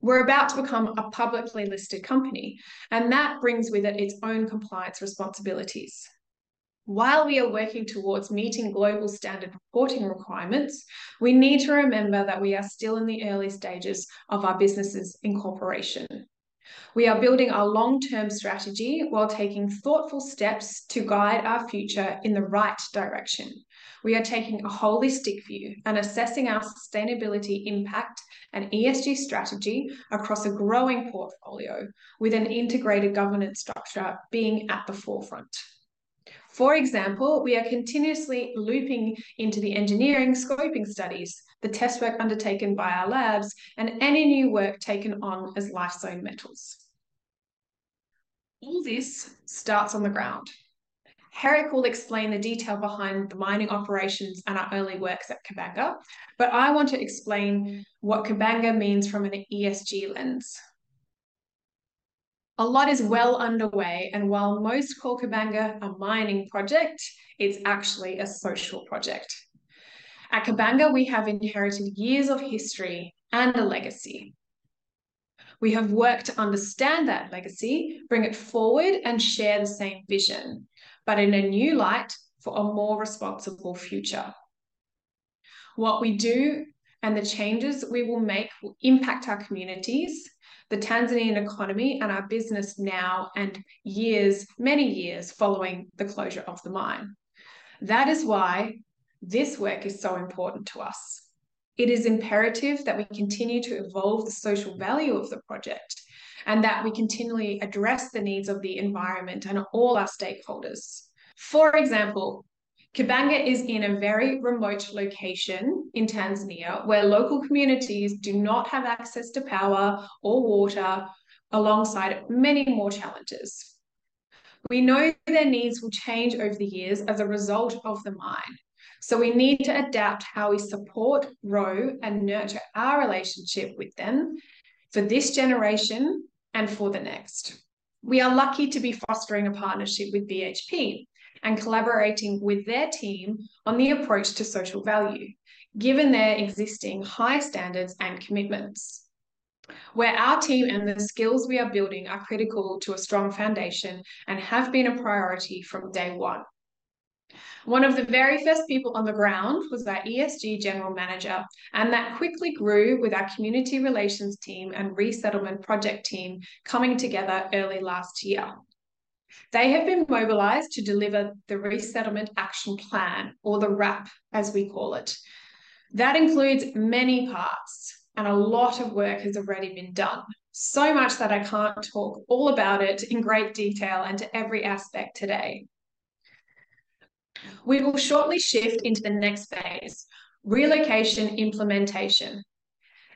We're about to become a publicly listed company, and that brings with it its own compliance responsibilities. While we are working towards meeting global standard reporting requirements, we need to remember that we are still in the early stages of our business' incorporation. We are building our long-term strategy while taking thoughtful steps to guide our future in the right direction. We are taking a holistic view and assessing our sustainability impact and ESG strategy across a growing portfolio with an integrated governance structure being at the forefront. For example, we are continuously looping into the engineering scoping studies, the test work undertaken by our labs, and any new work taken on as Lifezone Metals. All this starts on the ground. Gerick will explain the detail behind the mining operations and our early works at Kabanga, but I want to explain what Kabanga means from an ESG lens. A lot is well underway, and while most call Kabanga a mining project, it's actually a social project. At Kabanga, we have inherited years of history and a legacy. We have worked to understand that legacy, bring it forward, and share the same vision, but in a new light for a more responsible future. What we do and the changes we will make will impact our communities, the Tanzanian economy, and our business now and years, many years following the closure of the mine. That is why this work is so important to us. It is imperative that we continue to evolve the social value of the project, and that we continually address the needs of the environment and all our stakeholders. For example, Kabanga is in a very remote location in Tanzania, where local communities do not have access to power or water, alongside many more challenges. We know their needs will change over the years as a result of the mine, so we need to adapt how we support, grow, and nurture our relationship with them for this generation and for the next. We are lucky to be fostering a partnership with BHP and collaborating with their team on the approach to social value, given their existing high standards and commitments, where our team and the skills we are building are critical to a strong foundation and have been a priority from day one. One of the very first people on the ground was our ESG general manager, and that quickly grew with our community relations team and Resettlement Project team coming together early last year. They have been mobilized to deliver the Resettlement Action Plan, or the RAP, as we call it. That includes many parts, and a lot of work has already been done. Much that I can't talk all about it in great detail and to every aspect today. We will shortly shift into the next phase, relocation implementation.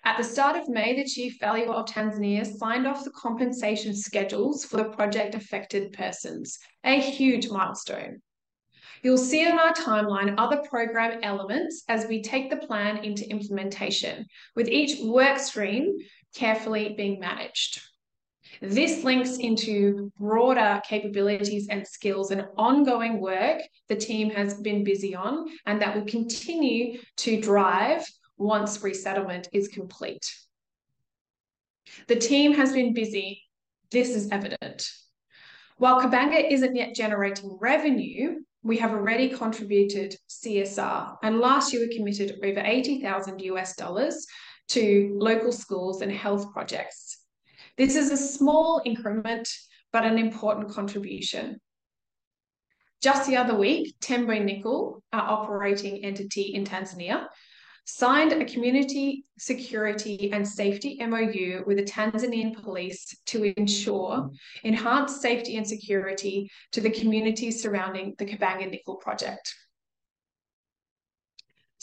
At the start of May, the Chief Government Valuer of Tanzania signed off the compensation schedules for the project-affected persons, a huge milestone. You'll see on our timeline other program elements as we take the plan into implementation, with each work stream carefully being managed. This links into broader capabilities and skills and ongoing work the team has been busy on, and that we continue to drive once resettlement is complete. The team has been busy. This is evident. While Kabanga isn't yet generating revenue, we have already contributed CSR, and last year we committed over $80,000 to local schools and health projects. This is a small increment, but an important contribution. Just the other week, Tembo Nickel, our operating entity in Tanzania, signed a community security and safety MoU with the Tanzanian police to ensure enhanced safety and security to the communities surrounding the Kabanga Nickel Project.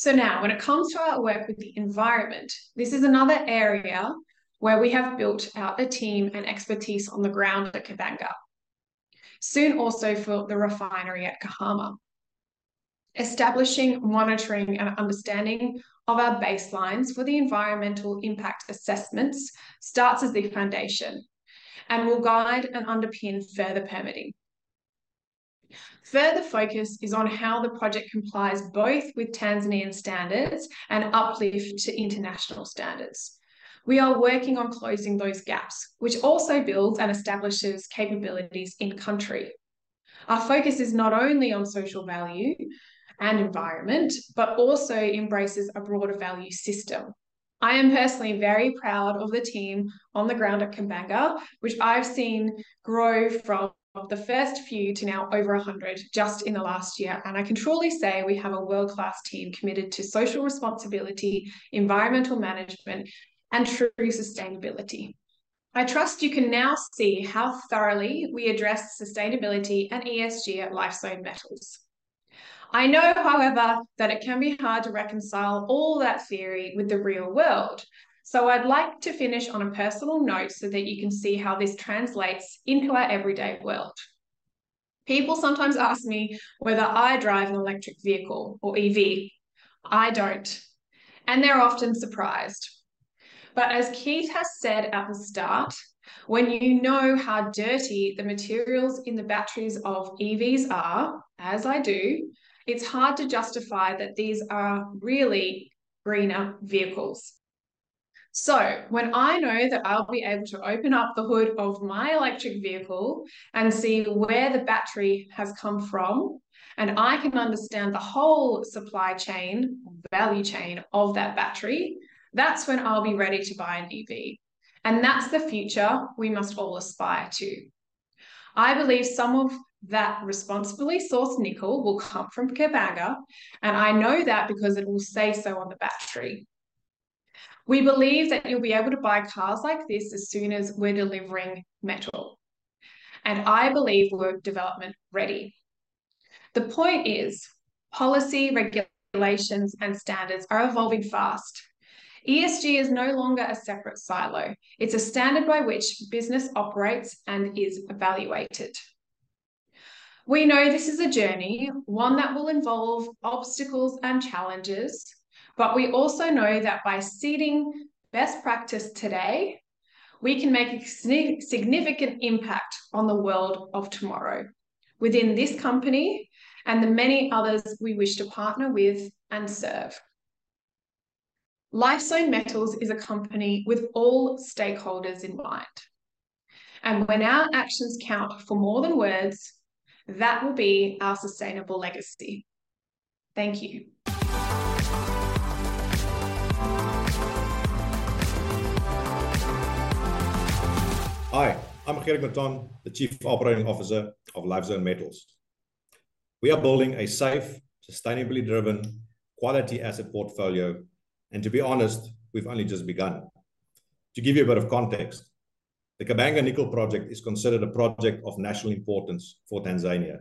Now, when it comes to our work with the environment, this is another area where we have built out a team and expertise on the ground at Kabanga. Soon also for the refinery at Kahama. Establishing, monitoring, and understanding of our baselines for the Environmental Impact Assessments starts as the foundation and will guide and underpin further permitting. Further focus is on how the project complies both with Tanzanian standards and uplift to international standards. We are working on closing those gaps, which also builds and establishes capabilities in country. Our focus is not only on social value and environment, but also embraces a broader value system. I am personally very proud of the team on the ground at Kabanga, which I've seen grow from the first few to now over 100 just in the last year. I can truly say we have a world-class team committed to social responsibility, environmental management, and true sustainability. I trust you can now see how thoroughly we address sustainability and ESG at Lifezone Metals. I know, however, that it can be hard to reconcile all that theory with the real world. I'd like to finish on a personal note so that you can see how this translates into our everyday world. People sometimes ask me whether I drive an electric vehicle or EV. I don't. They're often surprised. As Keith has said at the start, when you know how dirty the materials in the batteries of EVs are, as I do, it's hard to justify that these are really greener vehicles. When I know that I'll be able to open up the hood of my electric vehicle and see where the battery has come from, and I can understand the whole supply chain, value chain of that battery, that's when I'll be ready to buy an EV. That's the future we must all aspire to. I believe some of that responsibly sourced nickel will come from Kabanga, and I know that because it will say so on the battery. We believe that you'll be able to buy cars like this as soon as we're delivering metal, and I believe we're development ready. The point is, policy, regulations, and standards are evolving fast. ESG is no longer a separate silo. It's a standard by which business operates and is evaluated. We know this is a journey, one that will involve obstacles and challenges, but we also know that by seeding best practice today, we can make a significant impact on the world of tomorrow, within this company and the many others we wish to partner with and serve. Lifezone Metals is a company with all stakeholders in mind. When our actions count for more than words, that will be our sustainable legacy. Thank you. Hi, I'm Gerick Mouton, the Chief Operating Officer of Lifezone Metals. We are building a safe, sustainably driven, quality asset portfolio. To be honest, we've only just begun. To give you a bit of context, the Kabanga Nickel Project is considered a project of national importance for Tanzania.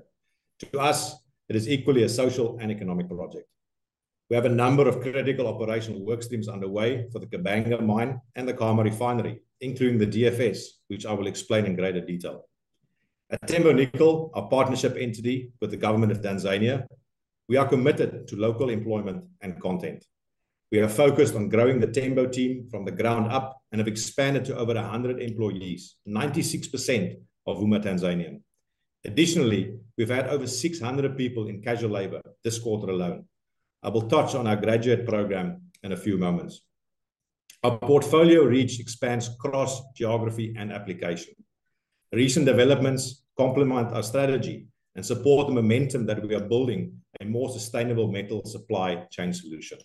To us, it is equally a social and economic project. We have a number of critical operational work streams underway for the Kabanga mine and the Kahama Refinery, including the DFS, which I will explain in greater detail. At Tembo Nickel, our partnership entity with the government of Tanzania, we are committed to local employment and content. We are focused on growing the Tembo team from the ground up and have expanded to over 100 employees, 96% of whom are Tanzanian. We've had over 600 people in casual labor this quarter alone. I will touch on our graduate program in a few moments. Our portfolio reach expands across geography and application. Recent developments complement our strategy and support the momentum that we are building a more sustainable metal supply chain solution.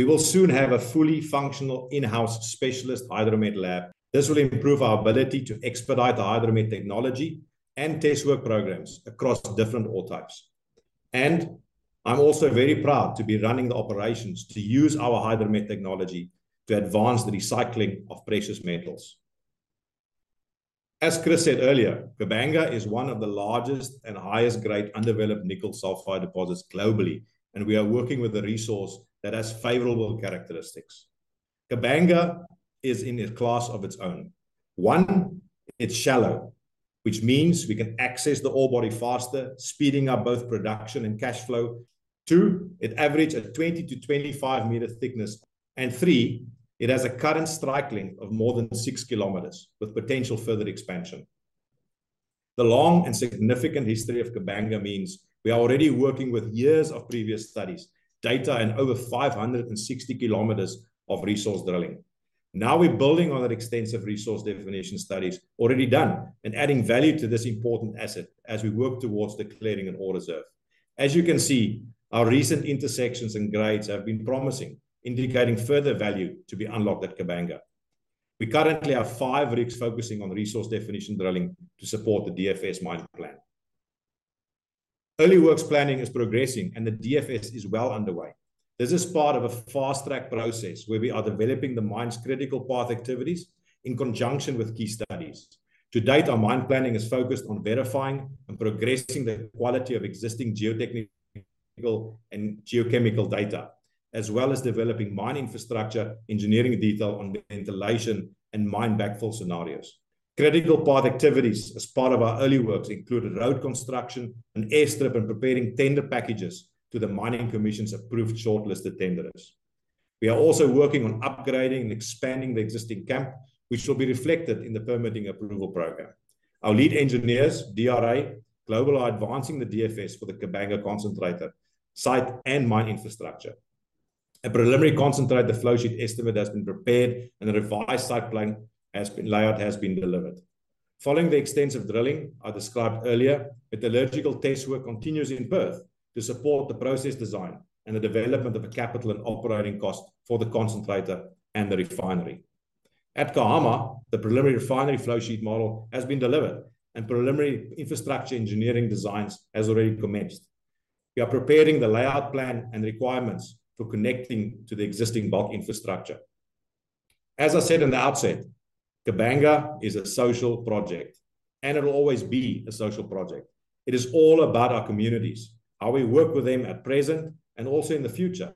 We will soon have a fully functional in-house specialist Hydromet lab. This will improve our ability to expedite the Hydromet technology and test work programs across different ore types. I'm also very proud to be running the operations to use our Hydromet technology to advance the recycling of precious metals. As Chris said earlier, Kabanga is one of the largest and highest grade undeveloped nickel sulfide deposits globally, and we are working with a resource that has favorable characteristics. Kabanga is in a class of its own. One, it's shallow, which means we can access the ore body faster, speeding up both production and cash flow. Two, it averages 20-25 meters thickness. Three, it has a current strike length of more than 6 kilometers with potential further expansion. The long and significant history of Kabanga means we are already working with years of previous studies, data, and over 560 kilometers of resource drilling. Now we're building on that extensive resource definition studies already done and adding value to this important asset as we work towards declaring an ore reserve. As you can see, our recent intersections and grades have been promising, indicating further value to be unlocked at Kabanga. We currently have 5 rigs focusing on resource definition drilling to support the DFS mining plan. Early works planning is progressing, and the DFS is well underway. This is part of a fast-track process where we are developing the mine's critical path activities in conjunction with key studies. To date, our mine planning is focused on verifying and progressing the quality of existing geotechnical and geochemical data, as well as developing mine infrastructure, engineering detail on ventilation and mine backfill scenarios. Critical path activities as part of our early works include road construction, an airstrip, and preparing tender packages to the Mining Commission's approved shortlisted tenderers. We are also working on upgrading and expanding the existing camp, which will be reflected in the permitting approval program. Our lead engineers, DRA Global, are advancing the DFS for the Kabanga concentrator site and mine infrastructure. A preliminary concentrate, the flow sheet estimate has been prepared and the revised site plan layout has been delivered. Following the extensive drilling I described earlier, metallurgical test work continues in Perth to support the process design and the development of a capital and operating cost for the concentrator and the refinery. At Kahama, the preliminary refinery flow sheet model has been delivered and preliminary infrastructure engineering designs has already commenced. We are preparing the layout plan and requirements for connecting to the existing bulk infrastructure. As I said in the outset, Kabanga is a social project, and it'll always be a social project. It is all about our communities, how we work with them at present and also in the future.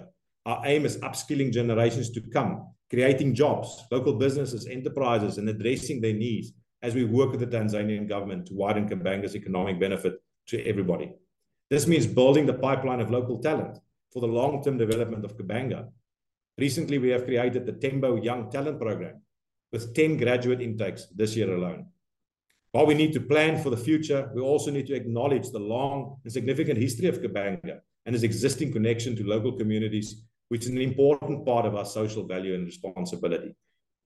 Our aim is upskilling generations to come, creating jobs, local businesses, enterprises, and addressing their needs as we work with the Tanzanian government to widen Kabanga's economic benefit to everybody. This means building the pipeline of local talent for the long-term development of Kabanga. Recently, we have created the Tembo Young Talent Program with 10 graduate intakes this year alone. While we need to plan for the future, we also need to acknowledge the long and significant history of Kabanga and its existing connection to local communities, which is an important part of our social value and responsibility.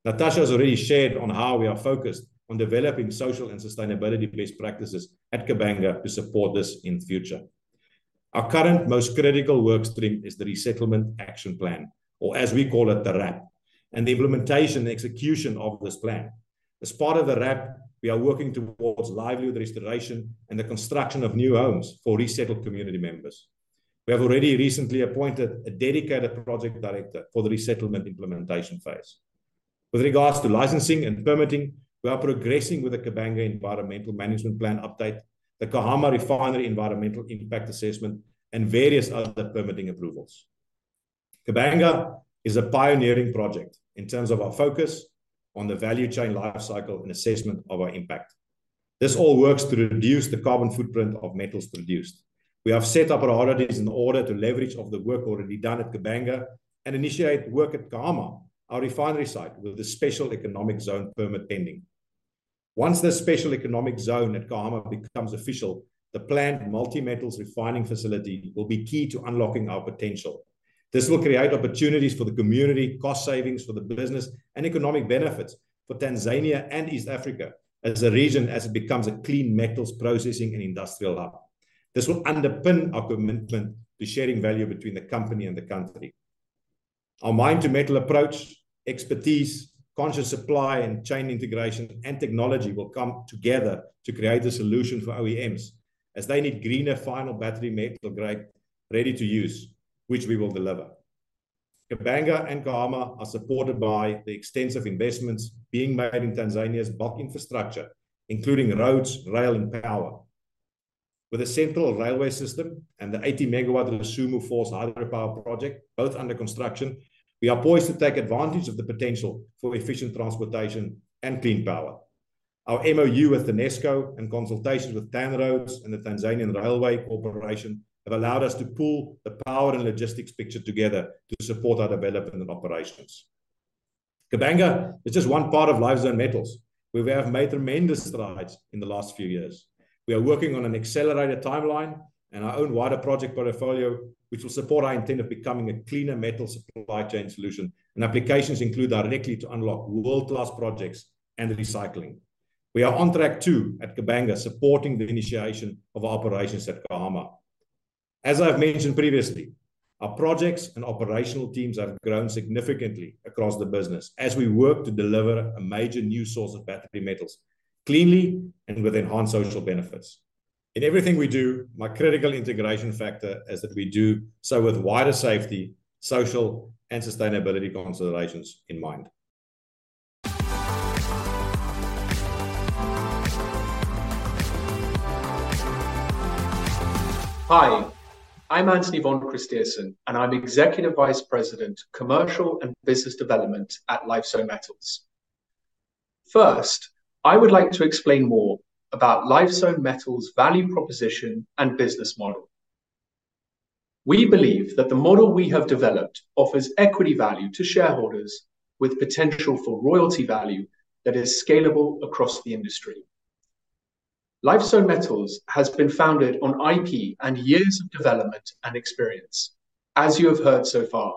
Natasha has already shared on how we are focused on developing social and sustainability-based practices at Kabanga to support this in future. Our current most critical work stream is the Resettlement Action Plan, or as we call it, the RAP, and the implementation and execution of this plan. As part of the RAP, we are working towards livelihood restoration and the construction of new homes for resettled community members. We have already recently appointed a dedicated project director for the resettlement implementation phase. With regards to licensing and permitting, we are progressing with the Kabanga Environmental Management Plan update, the Kahama Refinery Environmental Impact Assessment, and various other permitting approvals. Kabanga is a pioneering project in terms of our focus on the value chain life cycle and assessment of our impact. This all works to reduce the carbon footprint of metals produced. We have set up our holidays in order to leverage of the work already done at Kabanga and initiate work at Kahama, our refinery site, with the special economic zone permit pending. Once the special economic zone at Kahama becomes official, the planned multi-metals refining facility will be key to unlocking our potential. This will create opportunities for the community, cost savings for the business, and economic benefits for Tanzania and East Africa as a region as it becomes a clean metals processing and industrial hub. This will underpin our commitment to sharing value between the company and the country. Our mine-to-metal approach, expertise, conscious supply, and chain integration and technology will come together to create a solution for OEMs as they need greener final battery metal grade ready to use, which we will deliver. Kabanga and Kahama are supported by the extensive investments being made in Tanzania's bulk infrastructure, including roads, rail, and power. With a central railway system and the 80 MW Rusumo Falls hydropower project both under construction, we are poised to take advantage of the potential for efficient transportation and clean power. Our MoU with TANESCO and consultations with TANROADS and the Tanzania Railways Corporation have allowed us to pull the power and logistics picture together to support our development and operations. Kabanga is just one part of Lifezone Metals, where we have made tremendous strides in the last few years. We are working on an accelerated timeline and our own wider project portfolio, which will support our intent of becoming a cleaner metal supply chain solution and applications include directly to unlock world-class projects and recycling. We are on track too at Kabanga, supporting the initiation of operations at Kahama. As I've mentioned previously, our projects and operational teams have grown significantly across the business as we work to deliver a major new source of battery metals cleanly and with enhanced social benefits. In everything we do, my critical integration factor is that we do so with wider safety, social, and sustainability considerations in mind. Hi, I'm Anthony von Christierson, and I'm Executive Vice President, Commercial and Business Development at Lifezone Metals. First, I would like to explain more about Lifezone Metals' value proposition and business model. We believe that the model we have developed offers equity value to shareholders with potential for royalty value that is scalable across the industry. Lifezone Metals has been founded on IP and years of development and experience, as you have heard so far.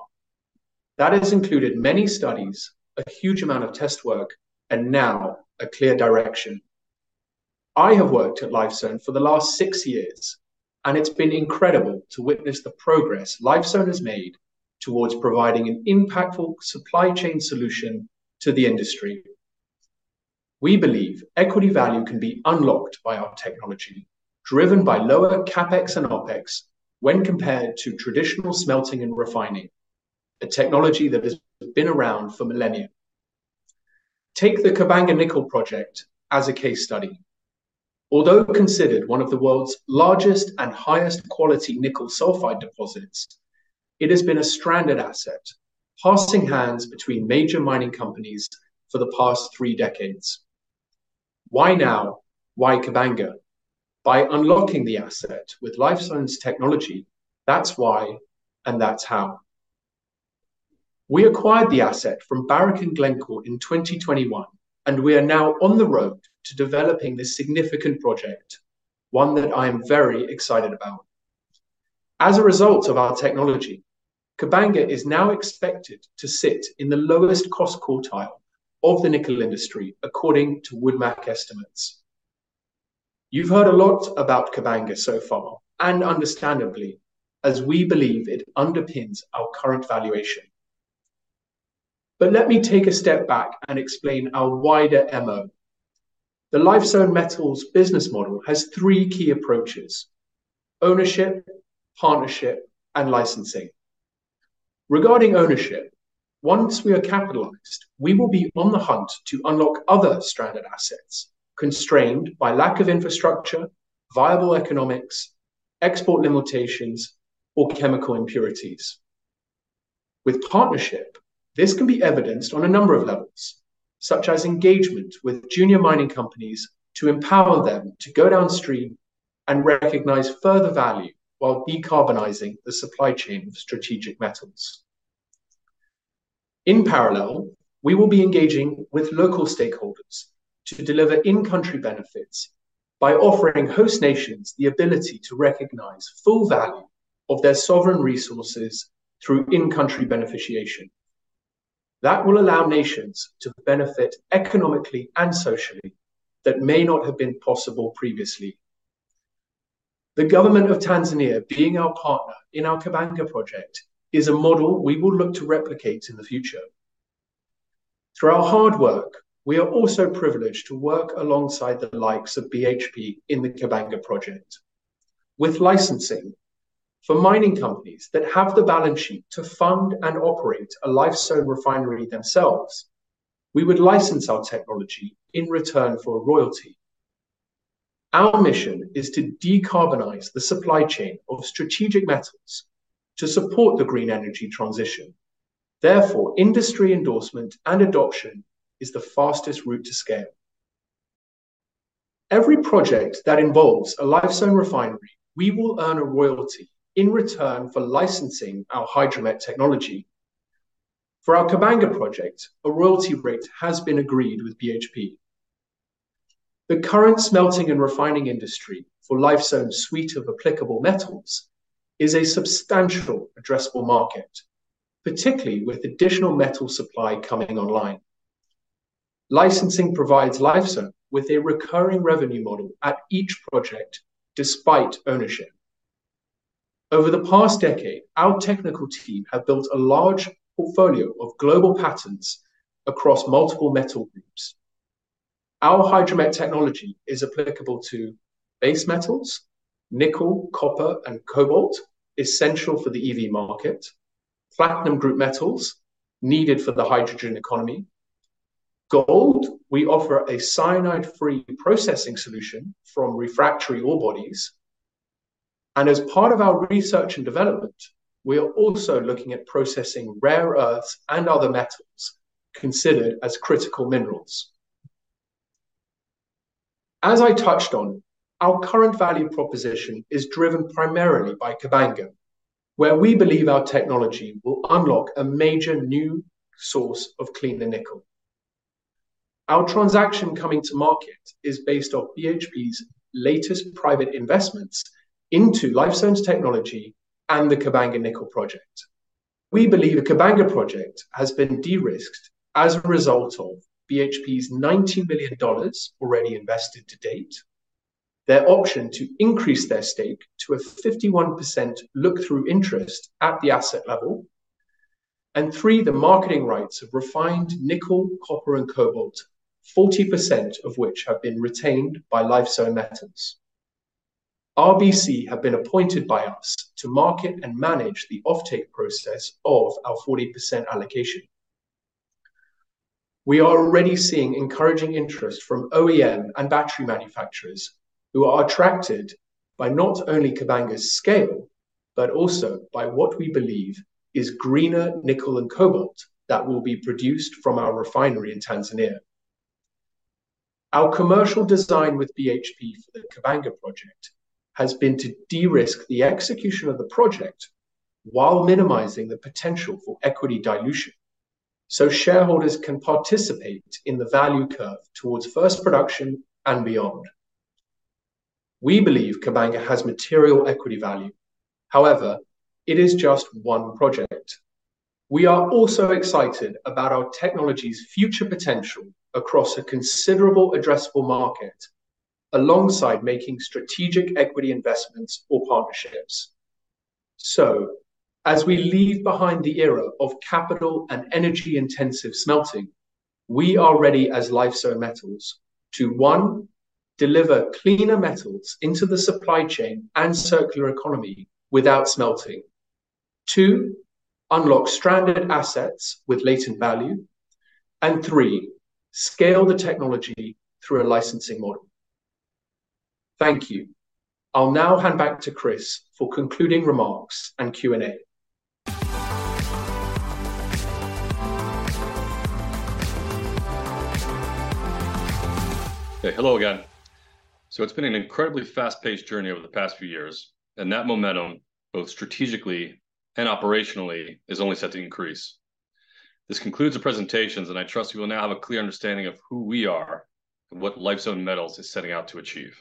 That has included many studies, a huge amount of test work, and now a clear direction. I have worked at Lifezone for the last six years, and it's been incredible to witness the progress Lifezone has made towards providing an impactful supply chain solution to the industry. We believe equity value can be unlocked by our technology, driven by lower CapEx and OpEx when compared to traditional smelting and refining, a technology that has been around for millennia. Take the Kabanga Nickel Project as a case study. Although considered one of the world's largest and highest quality nickel sulfide deposits, it has been a stranded asset, passing hands between major mining companies for the past three decades. Why now? Why Kabanga? By unlocking the asset with Lifezone's technology, that's why and that's how. We acquired the asset from Barrick and Glencore in 2021, and we are now on the road to developing this significant project, one that I am very excited about. As a result of our technology, Kabanga is now expected to sit in the lowest cost quartile of the nickel industry, according to Wood Mackenzie estimates. You've heard a lot about Kabanga so far, understandably, as we believe it underpins our current valuation. Let me take a step back and explain our wider MO. The Lifezone Metals business model has three key approaches. Ownership, partnership, and licensing. Regarding ownership, once we are capitalized, we will be on the hunt to unlock other stranded assets constrained by lack of infrastructure, viable economics, export limitations, or chemical impurities. With partnership, this can be evidenced on a number of levels, such as engagement with junior mining companies to empower them to go downstream and recognize further value while decarbonizing the supply chain of strategic metals. In parallel, we will be engaging with local stakeholders to deliver in-country benefits by offering host nations the ability to recognize full value of their sovereign resources through in-country beneficiation. That will allow nations to benefit economically and socially that may not have been possible previously. The government of Tanzania being our partner in our Kabanga project is a model we will look to replicate in the future. Through our hard work, we are also privileged to work alongside the likes of BHP in the Kabanga project. With licensing, for mining companies that have the balance sheet to fund and operate a Lifezone refinery themselves, we would license our technology in return for a royalty. Our mission is to decarbonize the supply chain of strategic metals to support the green energy transition. Industry endorsement and adoption is the fastest route to scale. Every project that involves a Lifezone refinery, we will earn a royalty in return for licensing our Hydromet technology. For our Kabanga project, a royalty rate has been agreed with BHP. The current smelting and refining industry for Lifezone's suite of applicable metals is a substantial addressable market, particularly with additional metal supply coming online. Licensing provides Lifezone with a recurring revenue model at each project despite ownership. Over the past decade, our technical team have built a large portfolio of global patents across multiple metal groups. Our Hydromet technology is applicable to base metals, nickel, copper, and cobalt, essential for the EV market, platinum group metals, needed for the hydrogen economy, gold, we offer a cyanide-free processing solution from refractory ore bodies. As part of our research and development, we are also looking at processing rare earths and other metals considered as critical minerals. As I touched on, our current value proposition is driven primarily by Kabanga, where we believe our technology will unlock a major new source of cleaner nickel. Our transaction coming to market is based off BHP's latest private investments into Lifezone's technology and the Kabanga Nickel Project. We believe the Kabanga project has been de-risked as a result of BHP's $90 million already invested to date, their option to increase their stake to a 51% look-through interest at the asset level, and 3, the marketing rights of refined nickel, copper and cobalt, 40% of which have been retained by Lifezone Metals. RBC have been appointed by us to market and manage the offtake process of our 40% allocation. We are already seeing encouraging interest from OEM and battery manufacturers who are attracted by not only Kabanga's scale, but also by what we believe is greener nickel and cobalt that will be produced from our refinery in Tanzania. Our commercial design with BHP for the Kabanga project has been to de-risk the execution of the project while minimizing the potential for equity dilution, shareholders can participate in the value curve towards first production and beyond. We believe Kabanga has material equity value. However, it is just one project. We are also excited about our technology's future potential across a considerable addressable market, alongside making strategic equity investments or partnerships. As we leave behind the era of capital and energy-intensive smelting, we are ready as Lifezone Metals to, one, deliver cleaner metals into the supply chain and circular economy without smelting, twthree, unlock stranded assets with latent value, and 3, scale the technology through a licensing model. Thank you. I'll now hand back to Chris for concluding remarks and Q&A. Okay, hello again. It's been an incredibly fast-paced journey over the past few years, and that momentum, both strategically and operationally, is only set to increase. This concludes the presentations. I trust you will now have a clear understanding of who we are and what Lifezone Metals is setting out to achieve.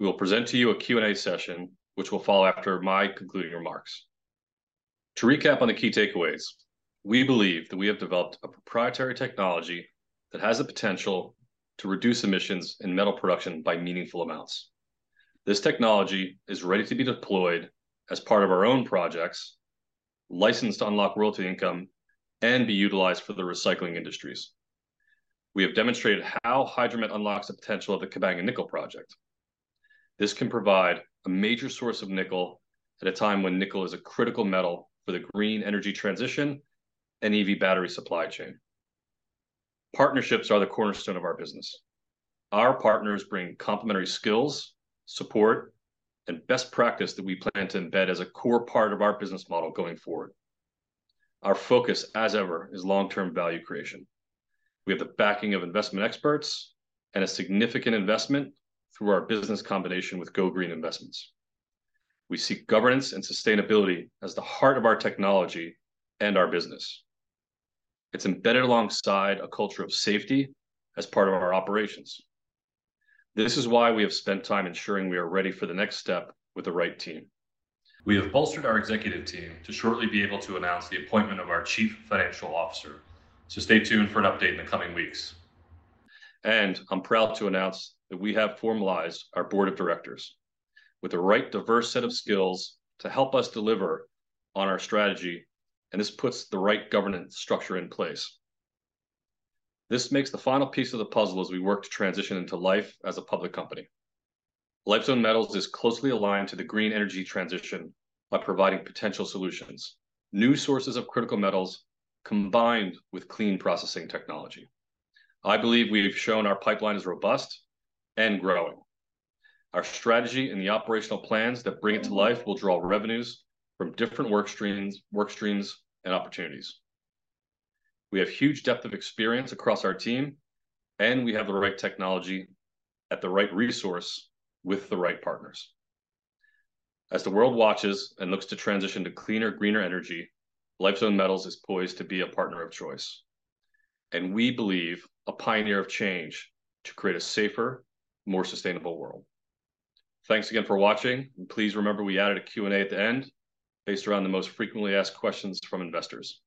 We will present to you a Q&A session, which will follow after my concluding remarks. To recap on the key takeaways, we believe that we have developed a proprietary technology that has the potential to reduce emissions in metal production by meaningful amounts. This technology is ready to be deployed as part of our own projects, licensed to unlock royalty income, and be utilized for the recycling industries. We have demonstrated how Hydromet unlocks the potential of the Kabanga Nickel Project. This can provide a major source of nickel at a time when nickel is a critical metal for the green energy transition and EV battery supply chain. Partnerships are the cornerstone of our business. Our partners bring complementary skills, support, and best practice that we plan to embed as a core part of our business model going forward. Our focus, as ever, is long-term value creation. We have the backing of investment experts and a significant investment through our business combination with GoGreen Investments. We see governance and sustainability as the heart of our technology and our business. It's embedded alongside a culture of safety as part of our operations. This is why we have spent time ensuring we are ready for the next step with the right team. We have bolstered our executive team to shortly be able to announce the appointment of our chief financial officer, so stay tuned for an update in the coming weeks. I'm proud to announce that we have formalized our board of directors with the right diverse set of skills to help us deliver on our strategy, and this puts the right governance structure in place. This makes the final piece of the puzzle as we work to transition into life as a public company. Lifezone Metals is closely aligned to the green energy transition by providing potential solutions, new sources of critical metals, combined with clean processing technology. I believe we've shown our pipeline is robust and growing. Our strategy and the operational plans that bring it to life will draw revenues from different work streams and opportunities. We have huge depth of experience across our team, and we have the right technology at the right resource with the right partners. As the world watches and looks to transition to cleaner, greener energy, Lifezone Metals is poised to be a partner of choice, and we believe a pioneer of change to create a safer, more sustainable world. Thanks again for watching, and please remember we added a Q&A at the end based around the most frequently asked questions from investors.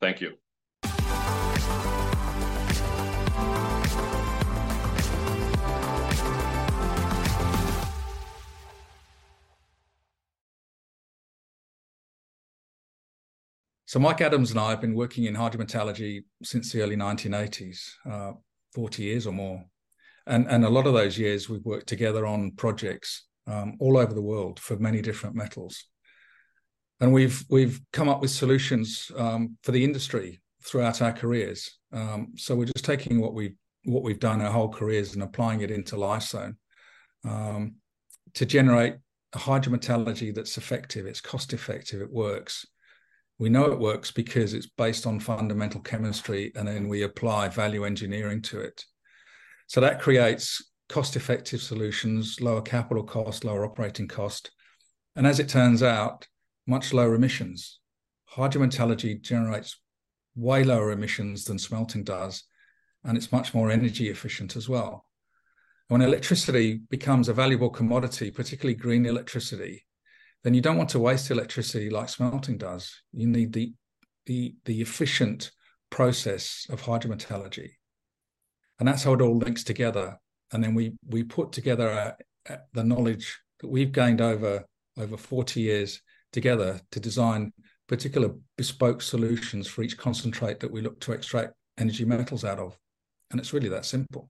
Thank you. Mike Adams and I have been working in Hydrometallurgy since the early 1980s, 40 years or more. A lot of those years we've worked together on projects all over the world for many different metals. We've come up with solutions for the industry throughout our careers. We're just taking what we've done our whole careers and applying it into Lifezone, to generate a Hydrometallurgy that's effective, it's cost-effective, it works. We know it works because it's based on fundamental chemistry, and then we apply value engineering to it. That creates cost-effective solutions, lower capital cost, lower operating cost, and as it turns out, much lower emissions. Hydrometallurgy generates way lower emissions than smelting does, and it's much more energy efficient as well. When electricity becomes a valuable commodity, particularly green electricity, then you don't want to waste electricity like smelting does. You need the efficient process of Hydrometallurgy. That's how it all links together. Then we put together the knowledge that we've gained over 40 years together to design particular bespoke solutions for each concentrate that we look to extract energy metals out of. It's really that simple.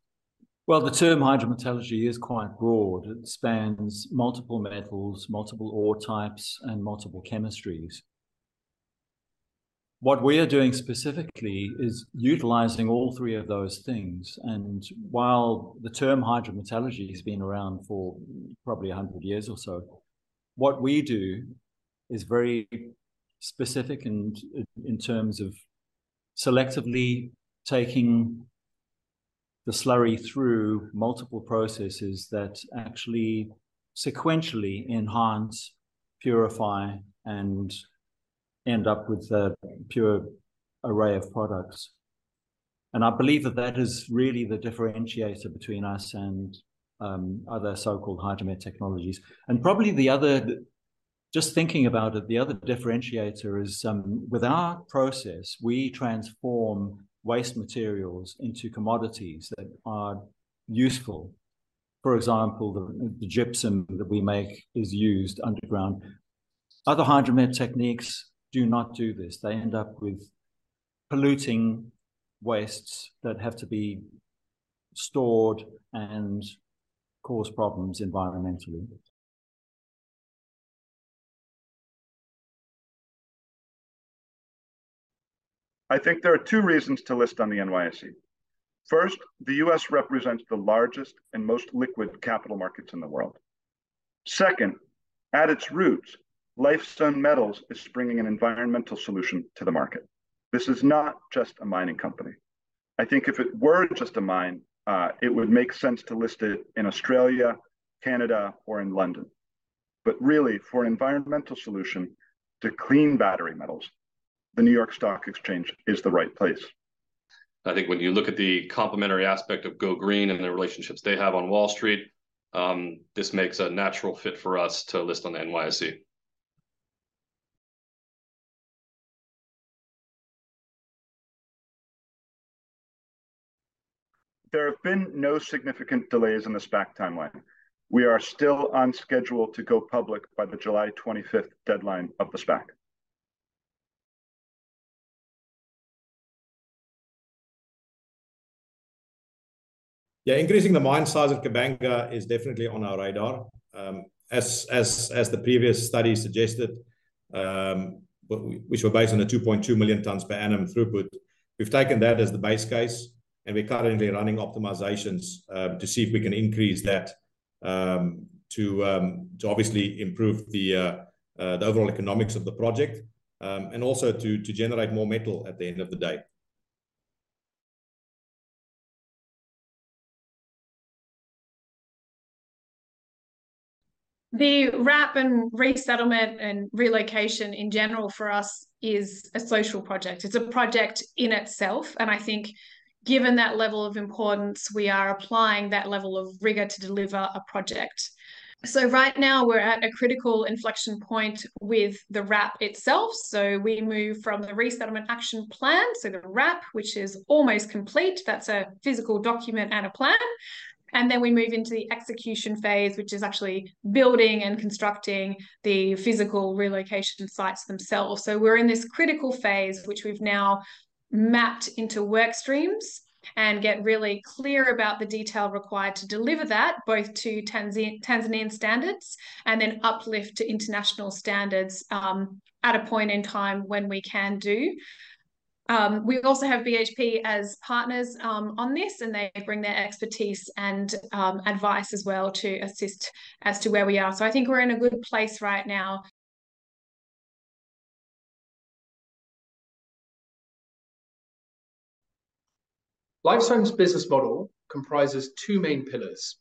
Well, the term Hydrometallurgy is quite broad. It spans multiple metals, multiple ore types, and multiple chemistries. What we are doing specifically is utilizing all three of those things, and while the term Hydrometallurgy has been around for probably 100 years or so, what we do is very specific in terms of selectively taking the slurry through multiple processes that actually sequentially enhance, purify, and end up with a pure array of products. I believe that that is really the differentiator between us and other so-called Hydromet technologies. Probably the other differentiator is with our process, we transform waste materials into commodities that are useful. For example, the gypsum that we make is used underground. Other Hydromet techniques do not do this. They end up with polluting wastes that have to be stored and cause problems environmentally. I think there are two reasons to list on the NYSE. First, the U.S. represents the largest and most liquid capital markets in the world. Second, at its roots, Lifezone Metals is bringing an environmental solution to the market. This is not just a mining company. I think if it were just a mine, it would make sense to list it in Australia, Canada, or in London. Really, for an environmental solution to clean battery metals, the New York Stock Exchange is the right place. I think when you look at the complementary aspect of GoGreen and the relationships they have on Wall Street, this makes a natural fit for us to list on the NYSE. There have been no significant delays in the SPAC timeline. We are still on schedule to go public by the July 25th deadline of the SPAC. Yeah, increasing the mine size of Kabanga is definitely on our radar. as the previous study suggested, which were based on a 2.2 million tons per annum throughput. We've taken that as the base case, and we're currently running optimizations, to see if we can increase that, to obviously improve the overall economics of the project, and also to generate more metal at the end of the day. The RAP and resettlement and relocation in general for us is a social project. It's a project in itself, and I think given that level of importance, we are applying that level of rigor to deliver a project. Right now we're at a critical inflection point with the RAP itself. We move from the Resettlement Action Plan, so the RAP, which is almost complete. That's a physical document and a plan. We move into the execution phase, which is actually building and constructing the physical relocation sites themselves. We're in this critical phase, which we've now mapped into work streams and get really clear about the detail required to deliver that both to Tanzanian standards and then uplift to international standards, at a point in time when we can do. We also have BHP as partners on this. They bring their expertise and advice as well to assist as to where we are. I think we're in a good place right now. Lifezone's business model comprises two main pillars.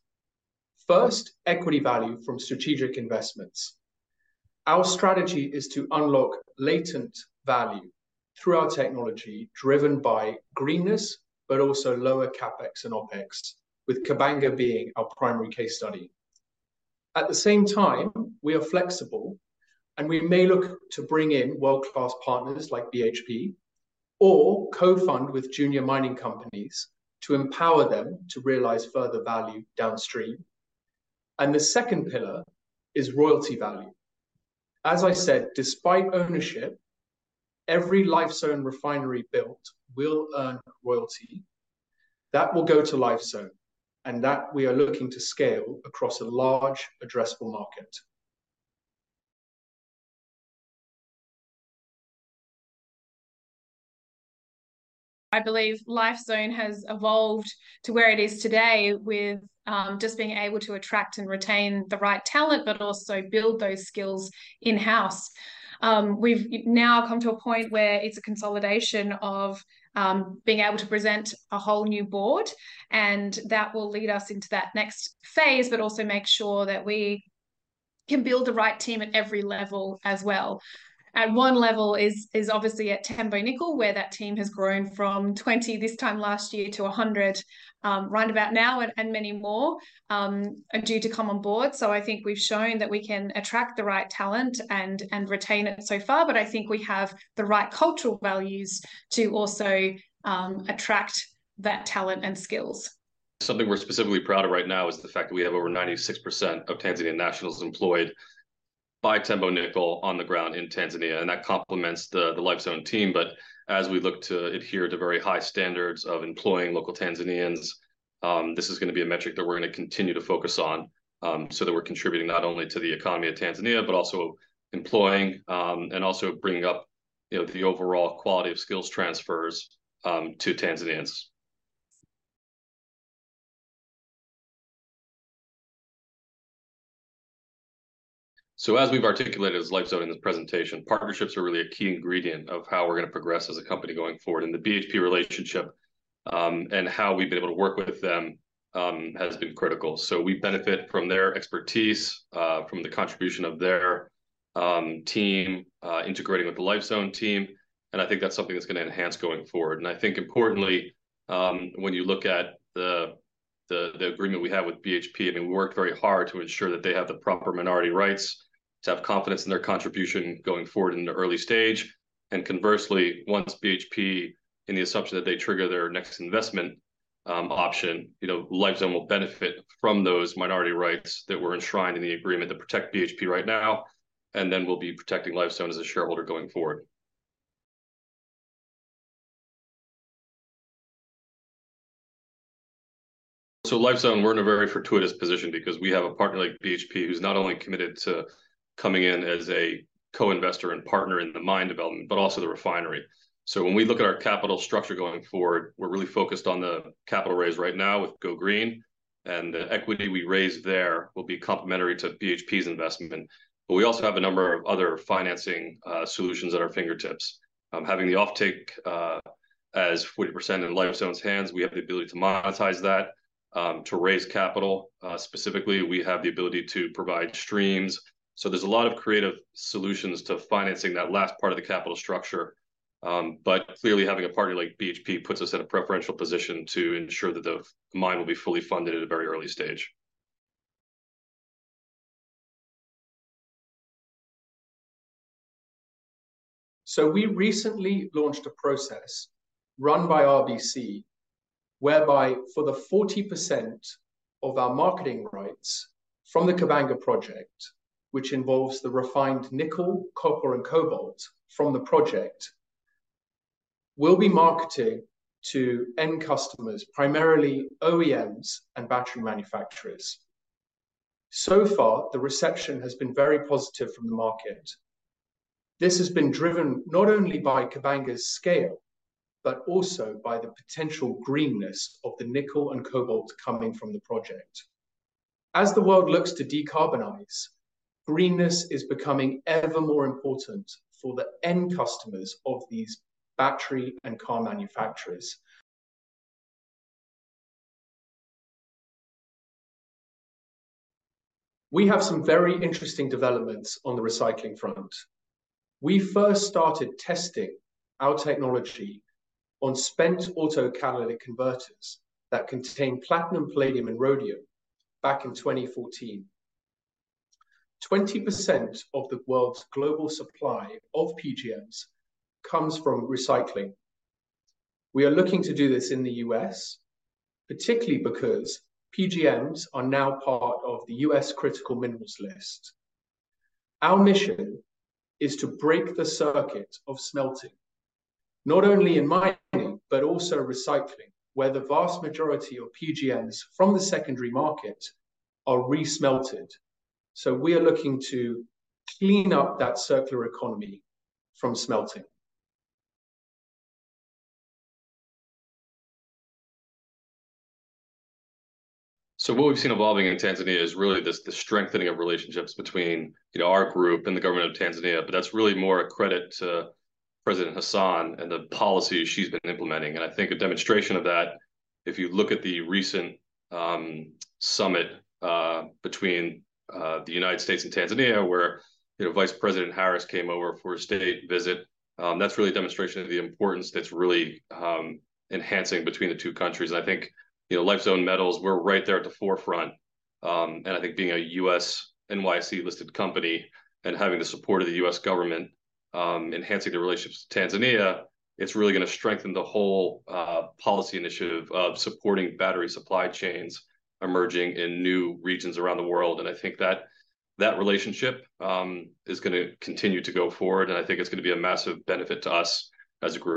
First, equity value from strategic investments. Our strategy is to unlock latent value through our technology driven by greenness, but also lower CapEx and OpEx, with Kabanga being our primary case study. At the same time, we are flexible, and we may look to bring in world-class partners like BHP or co-fund with junior mining companies to empower them to realize further value downstream. The second pillar is royalty value. As I said, despite ownership, every Lifezone refinery built will earn a royalty. That will go to Lifezone, and that we are looking to scale across a large addressable market. I believe Lifezone has evolved to where it is today with just being able to attract and retain the right talent, but also build those skills in-house. We've now come to a point where it's a consolidation of being able to present a whole new board, and that will lead us into that next phase, but also make sure that we can build the right team at every level as well. One level is obviously at Tembo Nickel, where that team has grown from 20 this time last year to 100 roundabout now and many more are due to come on board. I think we've shown that we can attract the right talent and retain it so far, but I think we have the right cultural values to also attract that talent and skills. Something we're specifically proud of right now is the fact that we have over 96% of Tanzanian nationals employed by Tembo Nickel on the ground in Tanzania, that complements the Lifezone team. As we look to adhere to very high standards of employing local Tanzanians, this is gonna be a metric that we're gonna continue to focus on, so that we're contributing not only to the economy of Tanzania, but also employing, and also bringing up, you know, the overall quality of skills transfers, to Tanzanians. As we've articulated as Lifezone in this presentation, partnerships are really a key ingredient of how we're gonna progress as a company going forward. The BHP relationship, and how we've been able to work with them, has been critical. We benefit from their expertise, from the contribution of their team, integrating with the Lifezone team, and I think that's something that's gonna enhance going forward. I think importantly, when you look at the agreement we have with BHP, I mean, we work very hard to ensure that they have the proper minority rights to have confidence in their contribution going forward in the early stage. Conversely, once BHP, in the assumption that they trigger their next investment option, you know, Lifezone will benefit from those minority rights that were enshrined in the agreement to protect BHP right now, and then we'll be protecting Lifezone as a shareholder going forward. At Lifezone, we're in a very fortuitous position because we have a partner like BHP who's not only committed to coming in as a co-investor and partner in the mine development, but also the refinery. When we look at our capital structure going forward, we're really focused on the capital raise right now with GoGreen and the equity we raise there will be complementary to BHP's investment. We also have a number of other financing solutions at our fingertips. Having the offtake as 40% in Lifezone's hands, we have the ability to monetize that to raise capital. Specifically, we have the ability to provide streams. There's a lot of creative solutions to financing that last part of the capital structure. Clearly having a partner like BHP puts us in a preferential position to ensure that the mine will be fully funded at a very early stage. We recently launched a process run by RBC, whereby for the 40% of our marketing rights from the Kabanga project, which involves the refined nickel, copper, and cobalt from the project, we'll be marketing to end customers, primarily OEMs and battery manufacturers. So far, the reception has been very positive from the market. This has been driven not only by Kabanga's scale, but also by the potential greenness of the nickel and cobalt coming from the project. As the world looks to decarbonize, greenness is becoming ever more important for the end customers of these battery and car manufacturers. We have some very interesting developments on the recycling front. We first started testing our technology on spent auto catalytic converters that contain platinum, palladium, and rhodium back in 2014. 20% of the world's global supply of PGMs comes from recycling. We are looking to do this in the U.S., particularly because PGMs are now part of the U.S. critical minerals list. Our mission is to break the circuit of smelting, not only in mining, but also recycling, where the vast majority of PGMs from the secondary market are re-smelted. We are looking to clean up that circular economy from smelting. What we've seen evolving in Tanzania is really the strengthening of relationships between, you know, our group and the government of Tanzania, but that's really more a credit to President Hassan and the policies she's been implementing. I think a demonstration of that, if you look at the recent summit between the United States and Tanzania where, you know, Vice President Harris came over for a state visit, that's really a demonstration of the importance that's really enhancing between the two countries. I think, you know, Lifezone Metals, we're right there at the forefront. I think being a U.S. NYSE-listed company and having the support of the U.S. government, enhancing the relationships with Tanzania, it's really gonna strengthen the whole policy initiative of supporting battery supply chains emerging in new regions around the world. I think that relationship, is gonna continue to go forward, and I think it's gonna be a massive benefit to us as a group.